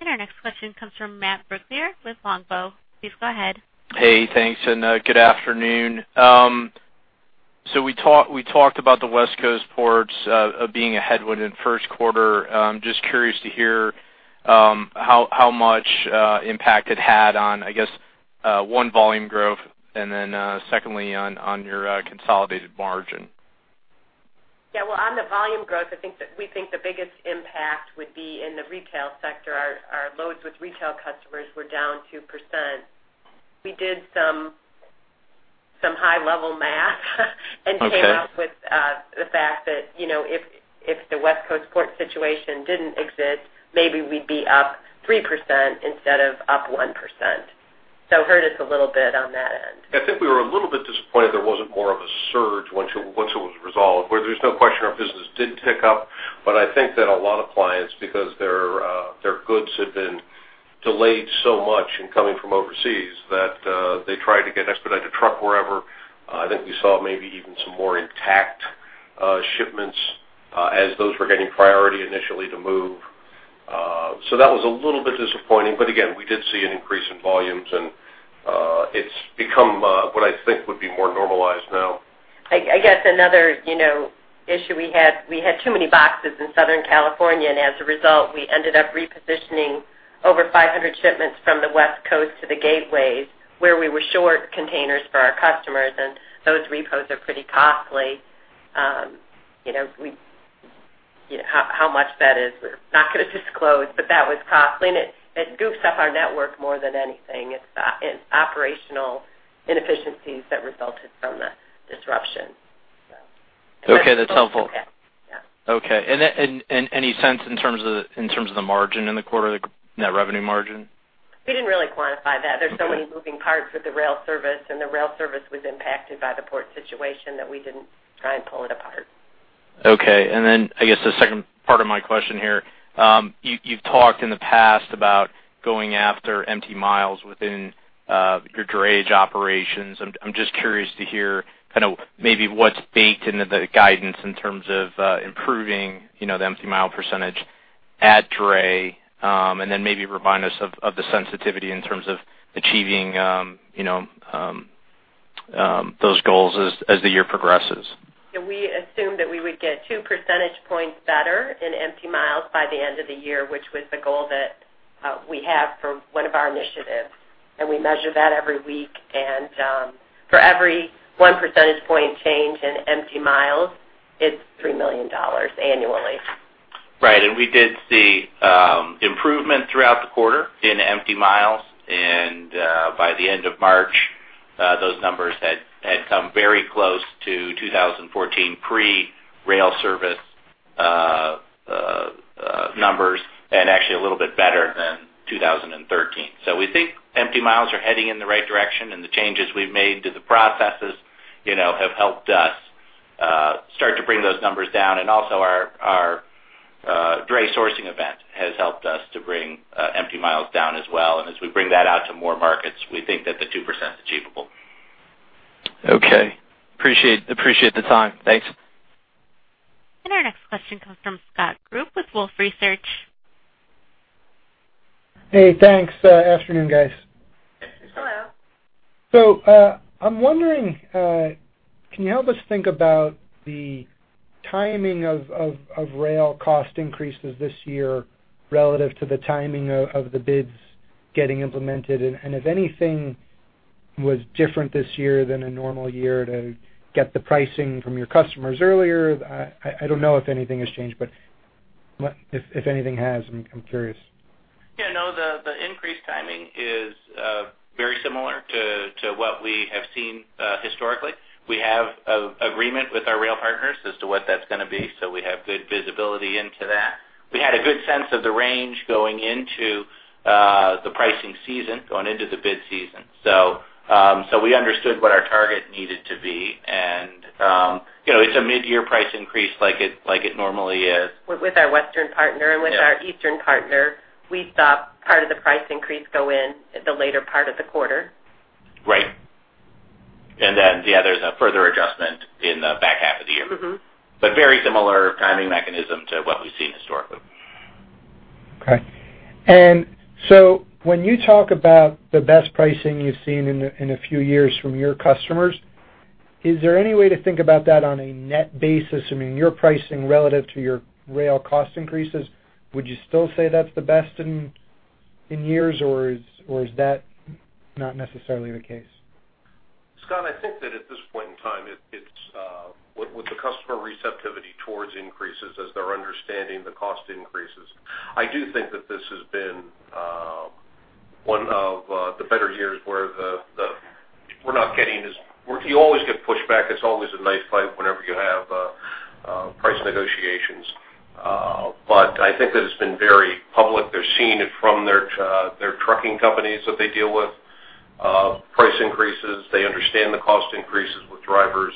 Our next question comes from Matt Brooklier with Longbow. Please go ahead. Hey, thanks, and good afternoon. So we talked, we talked about the West Coast ports being a headwind in the first quarter. Just curious to hear how, how much impact it had on, I guess, one, volume growth, and then, secondly, on, on your consolidated margin. Yeah. Well, on the volume growth, I think we think the biggest impact would be in the retail sector. Our loads with retail customers were down 2%. We did some high-level math - Okay and came out with the fact that, you know, if the West Coast port situation didn't exist, maybe we'd be up 3% instead of up 1%. So it hurt us a little bit on that end. I think we were a little bit disappointed there wasn't more of a surge once it was resolved, where there's no question our business did pick up. But I think that a lot of clients, because their goods had been delayed so much in coming from overseas, that they tried to get expedited to truck wherever. I think we saw maybe even some more intact shipments as those were getting priority initially to move. So that was a little bit disappointing, but again, we did see an increase in volumes, and it's become what I think would be more normalized now. I guess another, you know, issue we had, we had too many boxes in Southern California, and as a result, we ended up repositioning over 500 shipments from the West Coast to the gateways, where we were short containers for our customers, and those repos are pretty costly. You know, we, you know, how much that is, we're not gonna disclose, but that was costly, and it goofs up our network more than anything. It's operational inefficiencies that resulted from the disruption, so. Okay, that's helpful. Okay. Yeah. Okay. And any sense in terms of the margin in the quarter, the net revenue margin? We didn't really quantify that. There's so many moving parts with the rail service, and the rail service was impacted by the port situation that we didn't try and pull it apart. Okay. And then, I guess the second part of my question here, you've talked in the past about going after empty miles within your drayage operations. I'm just curious to hear kind of maybe what's baked into the guidance in terms of improving, you know, the empty mile percentage at drayage, and then maybe remind us of the sensitivity in terms of achieving, you know, those goals as the year progresses. Yeah, we assumed that we would get 2 percentage points better in empty miles by the end of the year, which was the goal that we have for one of our initiatives. And we measure that every week, and for every 1 percentage point change in empty miles, it's $3 million annually. Right. And we did see improvement throughout the quarter in empty miles, and by the end of March, those numbers had come very close to 2014, pre-rail service numbers, and actually a little bit better than 2013. So we think empty miles are heading in the right direction, and the changes we've made to the processes, you know, have helped us start to bring those numbers down. And also, our dray sourcing event has helped us to bring empty miles down as well. And as we bring that out to more markets, we think that the 2%'s achievable. Okay. Appreciate the time. Thanks. Our next question comes from Scott Group with Wolfe Research. Hey, thanks. Afternoon, guys. Hello. So, I'm wondering, can you help us think about the timing of rail cost increases this year relative to the timing of the bids getting implemented? And if anything was different this year than a normal year to get the pricing from your customers earlier? I don't know if anything has changed, but if anything has, I'm curious. Yeah, no, the increase timing is very similar to what we have seen historically. We have an agreement with our rail partners as to what that's gonna be, so we have good visibility into that. We had a good sense of the range going into the pricing season, going into the bid season. So, we understood what our target needed to be, and you know, it's a mid-year price increase like it normally is. With our Western partner- Yeah. And with our Eastern partner, we saw part of the price increase go in at the later part of the quarter. Right. And then, yeah, there's a further adjustment in the back half of the year. Mm-hmm. But very similar timing mechanism to what we've seen historically. Okay. And so when you talk about the best pricing you've seen in a few years from your customers, is there any way to think about that on a net basis? I mean, your pricing relative to your rail cost increases, would you still say that's the best in years, or is that not necessarily the case? Scott, I think that at this point in time, it's with the customer receptivity towards increases as they're understanding the cost increases. I do think that this has been one of the better years where we're not getting as... you always get pushback. It's always a knife fight whenever you have price negotiations. But I think that it's been very public. They're seeing it from their trucking companies that they deal with, price increases. They understand the cost increases with drivers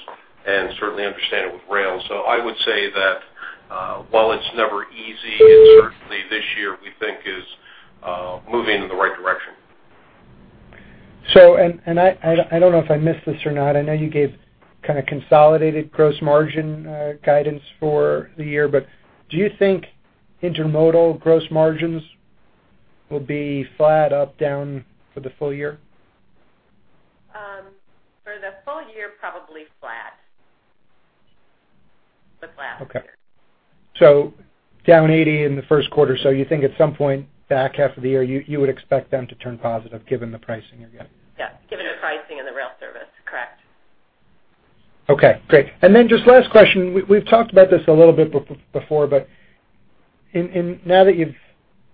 and certainly understand it with rail. So I would say that while it's never easy, it's certainly this year we think is moving in the right direction. So, I don't know if I missed this or not. I know you gave kind of consolidated gross margin guidance for the year, but do you think intermodal gross margins will be flat, up, down for the full year? For the full year, probably flat with last year. Okay. So down 80 in the first quarter. So you think at some point, back half of the year, you would expect them to turn positive, given the pricing you're getting? Yeah, given the pricing and the rail service, correct. Okay, great. And then just last question. We've talked about this a little bit before, but now that you've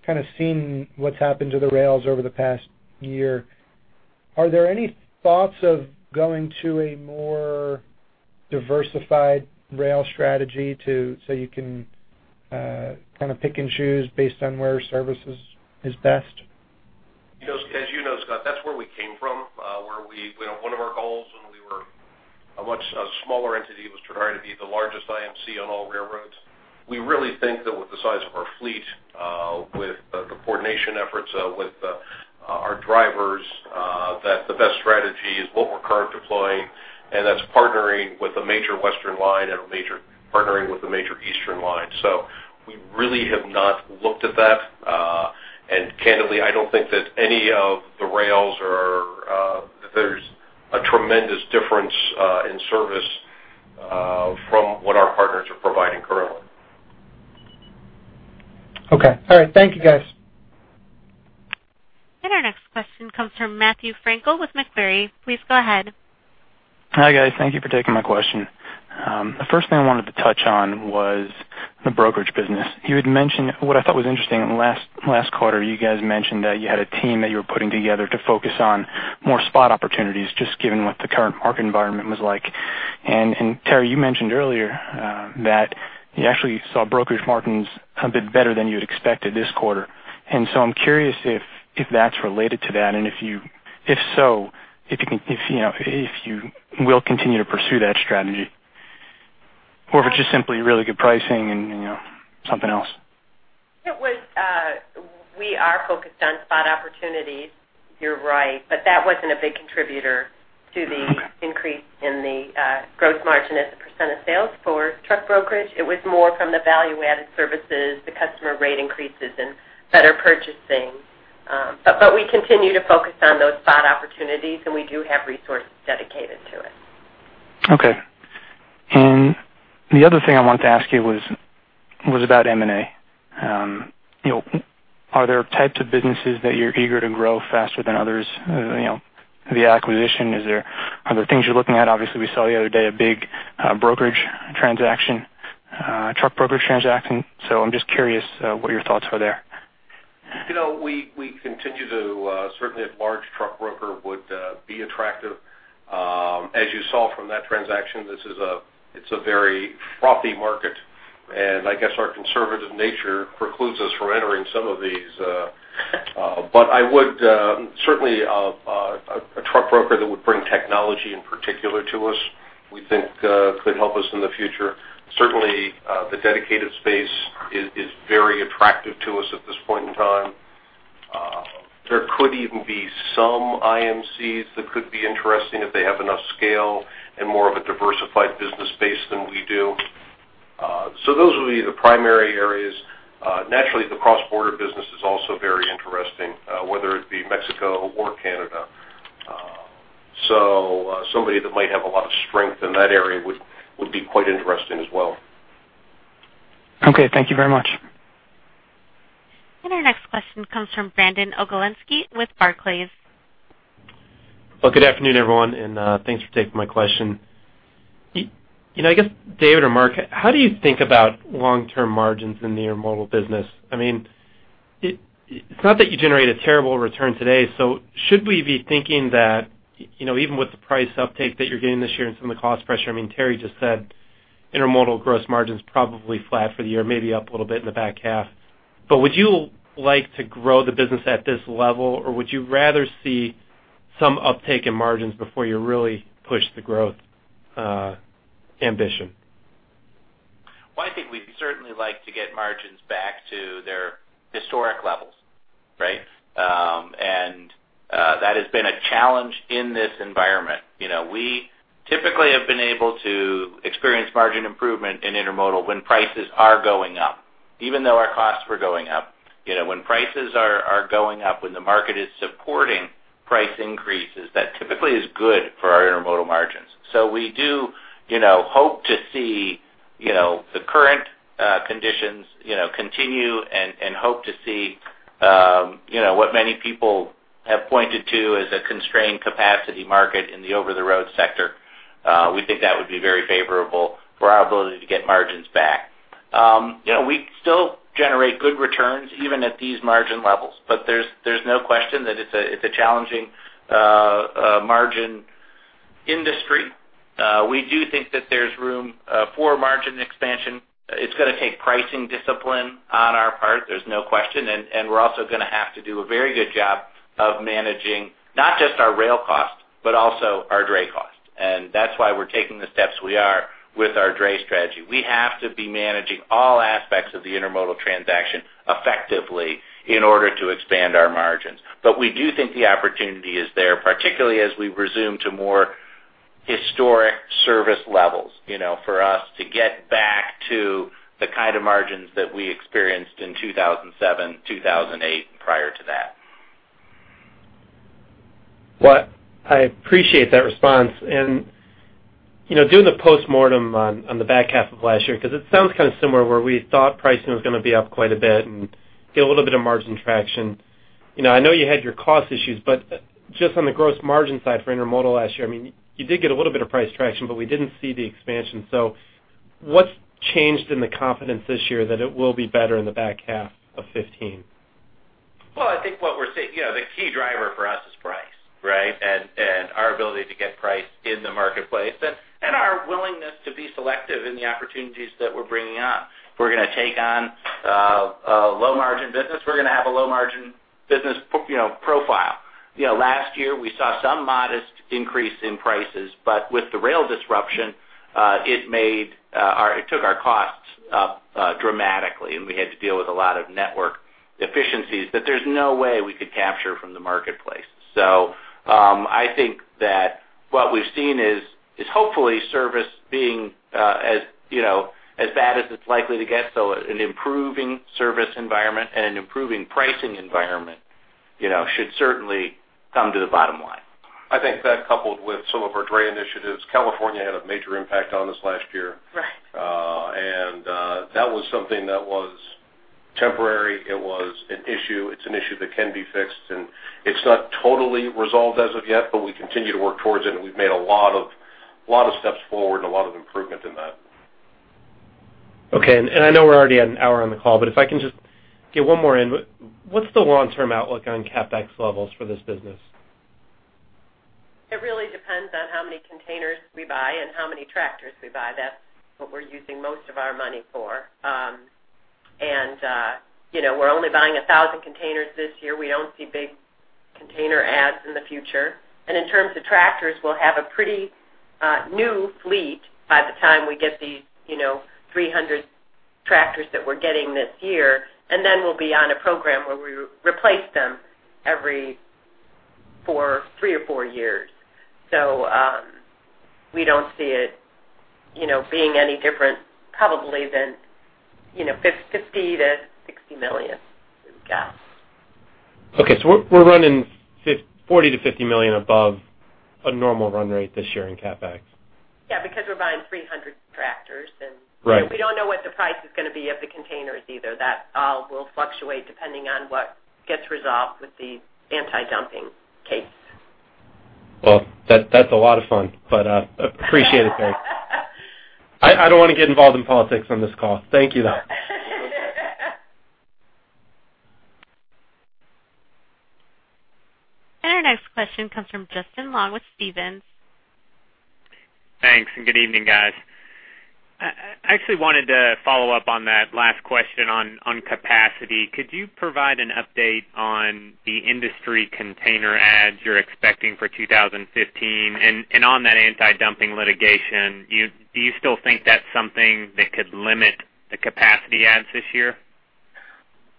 kind of seen what's happened to the rails over the past year, are there any thoughts of going to a more diversified rail strategy so you can kind of pick and choose based on where service is best? You know, as you know, Scott, that's where we came from, you know, one of our goals when we were a much smaller entity, was to try to be the largest IMC on all railroads. We really think that with the size of our fleet, with the coordination efforts, with our drivers, that the best strategy is what we're currently deploying, and that's partnering with a major Western line and partnering with a major Eastern line. So we really have not looked at that. And candidly, I don't think that any of the rails are that there's a tremendous difference in service from what our partners are providing currently. Okay. All right. Thank you, guys. Our next question comes from Matthew Frankel with Macquarie. Please go ahead. Hi, guys. Thank you for taking my question. The first thing I wanted to touch on was the brokerage business. You had mentioned, what I thought was interesting in the last quarter, you guys mentioned that you had a team that you were putting together to focus on more spot opportunities, just given what the current market environment was like. And Terri, you mentioned earlier, that you actually saw brokerage margins a bit better than you had expected this quarter. And so I'm curious if that's related to that, and if so, you know, if you will continue to pursue that strategy. Or if it's just simply really good pricing and, you know, something else? It was, we are focused on spot opportunities. You're right. But that wasn't a big contributor to the- Okay increase in the gross margin as a percentage of sales for truck brokerage. It was more from the value-added services, the customer rate increases, and better purchasing. But we continue to focus on those spot opportunities, and we do have resources dedicated to it. Okay. And the other thing I wanted to ask you was about M&A. You know, are there types of businesses that you're eager to grow faster than others? You know, the acquisition, are there things you're looking at? Obviously, we saw the other day a big brokerage transaction, truck brokerage transaction. So I'm just curious what your thoughts are there. You know, we continue to certainly a large truck broker would be attractive. As you saw from that transaction, this is, it's a very frothy market, and I guess our conservative nature precludes us from entering some of these. But I would certainly a truck broker that would bring technology in particular to us, we think, could help us in the future. Certainly, the dedicated space is very attractive to us at this point in time. There could even be some IMCs that could be interesting if they have enough scale and more of a diversified business base than we do. So those would be the primary areas. Naturally, the cross-border business is also very interesting, whether it be Mexico or Canada. Somebody that might have a lot of strength in that area would be quite interesting as well. Okay. Thank you very much. Our next question comes from Brandon Oglenski with Barclays. Well, good afternoon, everyone, and thanks for taking my question. You know, I guess, Dave or Mark, how do you think about long-term margins in the intermodal business? I mean, it's not that you generate a terrible return today, so should we be thinking that, you know, even with the price uptake that you're getting this year and some of the cost pressure, I mean, Terri just said intermodal gross margin is probably flat for the year, maybe up a little bit in the back half. But would you like to grow the business at this level, or would you rather see some uptake in margins before you really push the growth ambition? Well, I think we'd certainly like to get margins back to their historic levels, right? And that has been a challenge in this environment. You know, we typically have been able to experience margin improvement in intermodal when prices are going up, even though our costs were going up. You know, when prices are going up, when the market is supporting price increases, that typically is good for our intermodal margins. So we do, you know, hope to see the current conditions, you know, continue and hope to see what many people have pointed to as a constrained capacity market in the over-the-road sector. We think that would be very favorable for our ability to get margins back. You know, we still generate good returns even at these margin levels, but there's no question that it's a challenging margin industry. We do think that there's room for margin expansion. It's going to take pricing discipline on our part, there's no question, and we're also going to have to do a very good job of managing not just our rail costs, but also our dray costs. And that's why we're taking the steps we are with our dray strategy. We have to be managing all aspects of the intermodal transaction effectively in order to expand our margins. But we do think the opportunity is there, particularly as we resume to more historic service levels, you know, for us to get back to the kind of margins that we experienced in 2007, 2008, and prior to that. Well, I appreciate that response. You know, doing the postmortem on the back half of last year, because it sounds kind of similar, where we thought pricing was going to be up quite a bit and get a little bit of margin traction. You know, I know you had your cost issues, but just on the gross margin side for intermodal last year, I mean, you did get a little bit of price traction, but we didn't see the expansion. So what's changed in the confidence this year that it will be better in the back half of 2015? Well, I think what we're seeing, you know, the key driver for us is price, right? And our ability to get price in the marketplace, and our willingness to be selective in the opportunities that we're bringing on. If we're going to take on a low-margin business, we're going to have a low-margin business, you know, profile. You know, last year, we saw some modest increase in prices, but with the rail disruption, it took our costs up dramatically, and we had to deal with a lot of network inefficiencies that there's no way we could capture from the marketplace. So, I think that what we've seen is hopefully service being, as you know, as bad as it's likely to get. So an improving service environment and an improving pricing environment, you know, should certainly come to the bottom line. I think that coupled with some of our dray initiatives, California had a major impact on us last year. Right. That was something that was temporary. It was an issue. It's an issue that can be fixed, and it's not totally resolved as of yet, but we continue to work towards it, and we've made a lot of, lot of steps forward and a lot of improvement in that. Okay. And, I know we're already at an hour on the call, but if I can just get one more in. What's the long-term outlook on CapEx levels for this business? It really depends on how many containers we buy and how many tractors we buy. That's what we're using most of our money for. And you know, we're only buying 1,000 containers this year. We don't see big container adds in the future. And in terms of tractors, we'll have a pretty new fleet by the time we get these, you know, 300 tractors that we're getting this year. And then we'll be on a program where we replace them every three or four years. So, we don't see it, you know, being any different probably than, you know, $50 million-$60 million as a guess. Okay, so we're running $40 million-$50 million above a normal run rate this year in CapEx? Yeah, because we're buying 300 tractors. Right. We don't know what the price is going to be of the containers either. That all will fluctuate depending on what gets resolved with the anti-dumping case. Well, that's a lot of fun, but appreciate it, Terri. I don't want to get involved in politics on this call. Thank you, though. Our next question comes from Justin Long with Stephens. Thanks, and good evening, guys. I actually wanted to follow up on that last question on capacity. Could you provide an update on the industry container adds you're expecting for 2015? And on that anti-dumping litigation, do you still think that's something that could limit the capacity adds this year?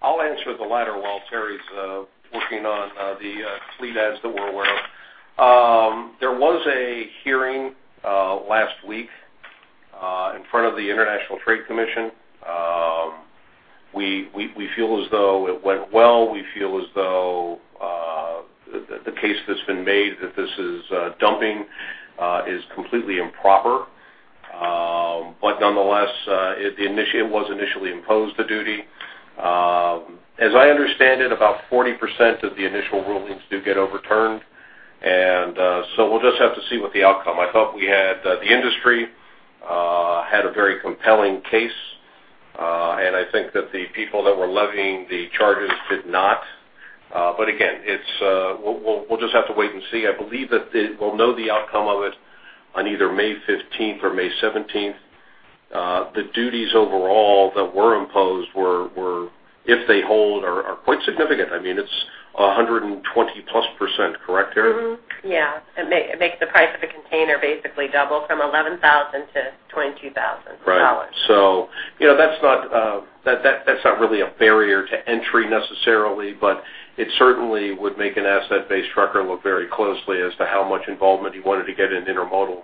I'll answer the latter while Terri's working on the fleet adds that we're aware of. There was a hearing last week in front of the International Trade Commission. We feel as though it went well. We feel as though the case that's been made, that this is dumping, is completely improper. But nonetheless, it initially was initially imposed the duty. As I understand it, about 40% of the initial rulings do get overturned, and so we'll just have to see what the outcome. I thought we had the industry a very compelling case, and I think that the people that were levying the charges did not. But again, it's we'll just have to wait and see. I believe that we'll know the outcome of it on either May 15th or May 17th. The duties overall that were imposed, if they hold, are quite significant. I mean, it's 120%+, correct, Terri? Mm-hmm. Yeah. It makes the price of a container basically double from $11,000-$22,000. Right. So, you know, that's not, that, that, that's not really a barrier to entry necessarily, but it certainly would make an asset-based trucker look very closely as to how much involvement he wanted to get in intermodal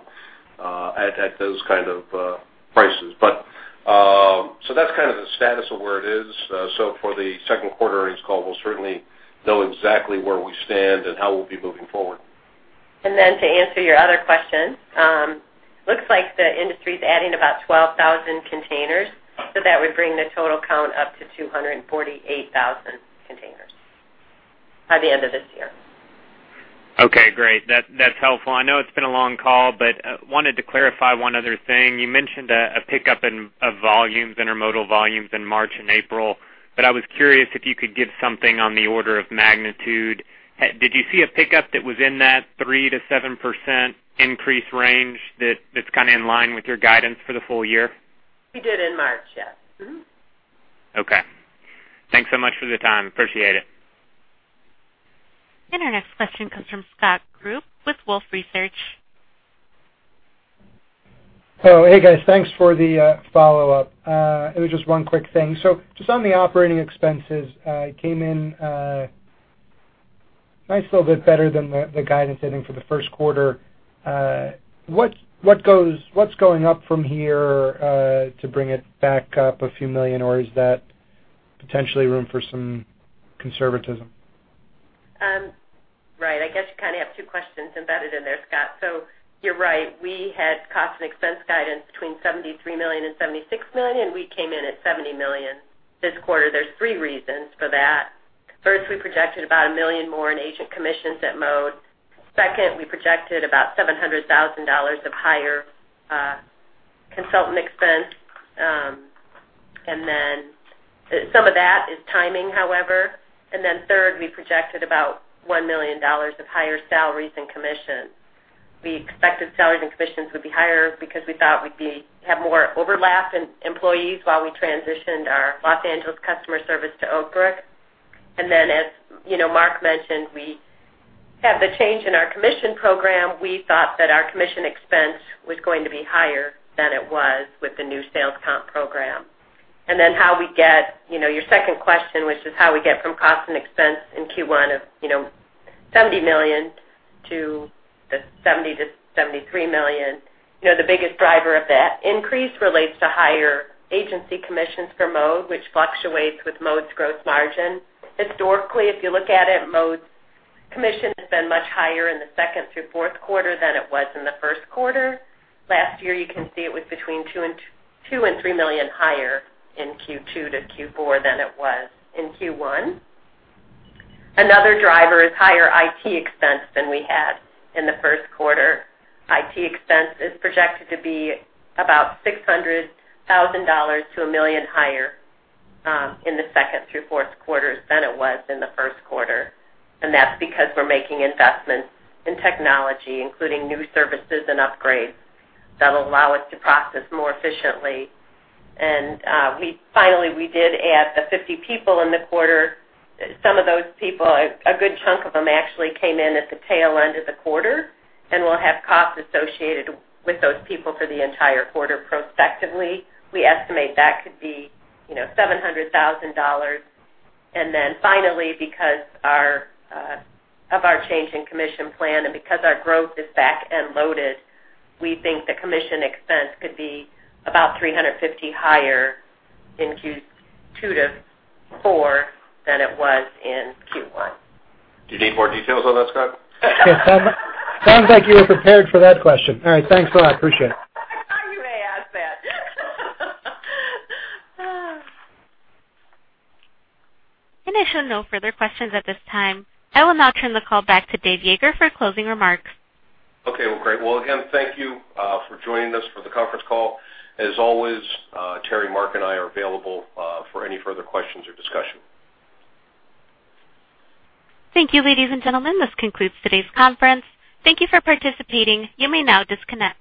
at those kind of prices. But, so that's kind of the status of where it is. So for the second quarter earnings call, we'll certainly know exactly where we stand and how we'll be moving forward. Then to answer your other question, looks like the industry's adding about 12,000 containers, so that would bring the total count up to 248,000 containers by the end of this year. Okay, great. That's helpful. I know it's been a long call, but wanted to clarify one other thing. You mentioned a pickup in volumes, intermodal volumes in March and April, but I was curious if you could give something on the order of magnitude. Did you see a pickup that was in that 3%-7% increase range that's kinda in line with your guidance for the full year? We did in March, yes. Mm-hmm. Okay. Thanks so much for the time. Appreciate it. Our next question comes from Scott Group with Wolfe Research. Hey, guys. Thanks for the follow-up. It was just one quick thing. So just on the operating expenses, it came in a nice little bit better than the guidance, I think, for the first quarter. What's going up from here to bring it back up a few million, or is that potentially room for some conservatism? Right, I guess you kinda have two questions embedded in there, Scott. So you're right, we had cost and expense guidance between $73 million and $76 million, and we came in at $70 million this quarter. There's three reasons for that. First, we projected about $1 million more in agent commissions at Mode. Second, we projected about $700,000 of higher consultant expense. And then some of that is timing, however. And then third, we projected about $1 million of higher salaries and commissions. We expected salaries and commissions would be higher because we thought we'd have more overlap in employees while we transitioned our Los Angeles customer service to Oak Brook. And then, as you know, Mark mentioned, we have the change in our commission program. We thought that our commission expense was going to be higher than it was with the new sales comp program. Then how we get, you know, your second question, which is how we get from cost and expense in Q1 of, you know, $70 million to the $70 million-$73 million. You know, the biggest driver of that increase relates to higher agency commissions for Mode, which fluctuates with Mode's gross margin. Historically, if you look at it, Mode's commission has been much higher in the second through fourth quarter than it was in the first quarter. Last year, you can see it was between $2 million and $3 million higher in Q2 to Q4 than it was in Q1. Another driver is higher IT expense than we had in the first quarter. IT expense is projected to be about $600,000 to $1 million higher in the second through fourth quarters than it was in the first quarter. That's because we're making investments in technology, including new services and upgrades that allow us to process more efficiently. We finally did add the 50 people in the quarter. Some of those people, a good chunk of them actually came in at the tail end of the quarter, and we'll have costs associated with those people for the entire quarter. Prospectively, we estimate that could be, you know, $700,000. Then finally, because of our change in commission plan and because our growth is back-loaded, we think the commission expense could be about $350,000 higher in Q2 to Q4 than it was in Q1. Do you need more details on that, Scott? Sounds like you were prepared for that question. All right. Thanks a lot. Appreciate it. I thought you may ask that. I show no further questions at this time. I will now turn the call back to Dave Yeager for closing remarks. Okay, well, great. Well, again, thank you for joining us for the conference call. As always, Terri, Mark, and I are available for any further questions or discussion. Thank you, ladies and gentlemen. This concludes today's conference. Thank you for participating. You may now disconnect.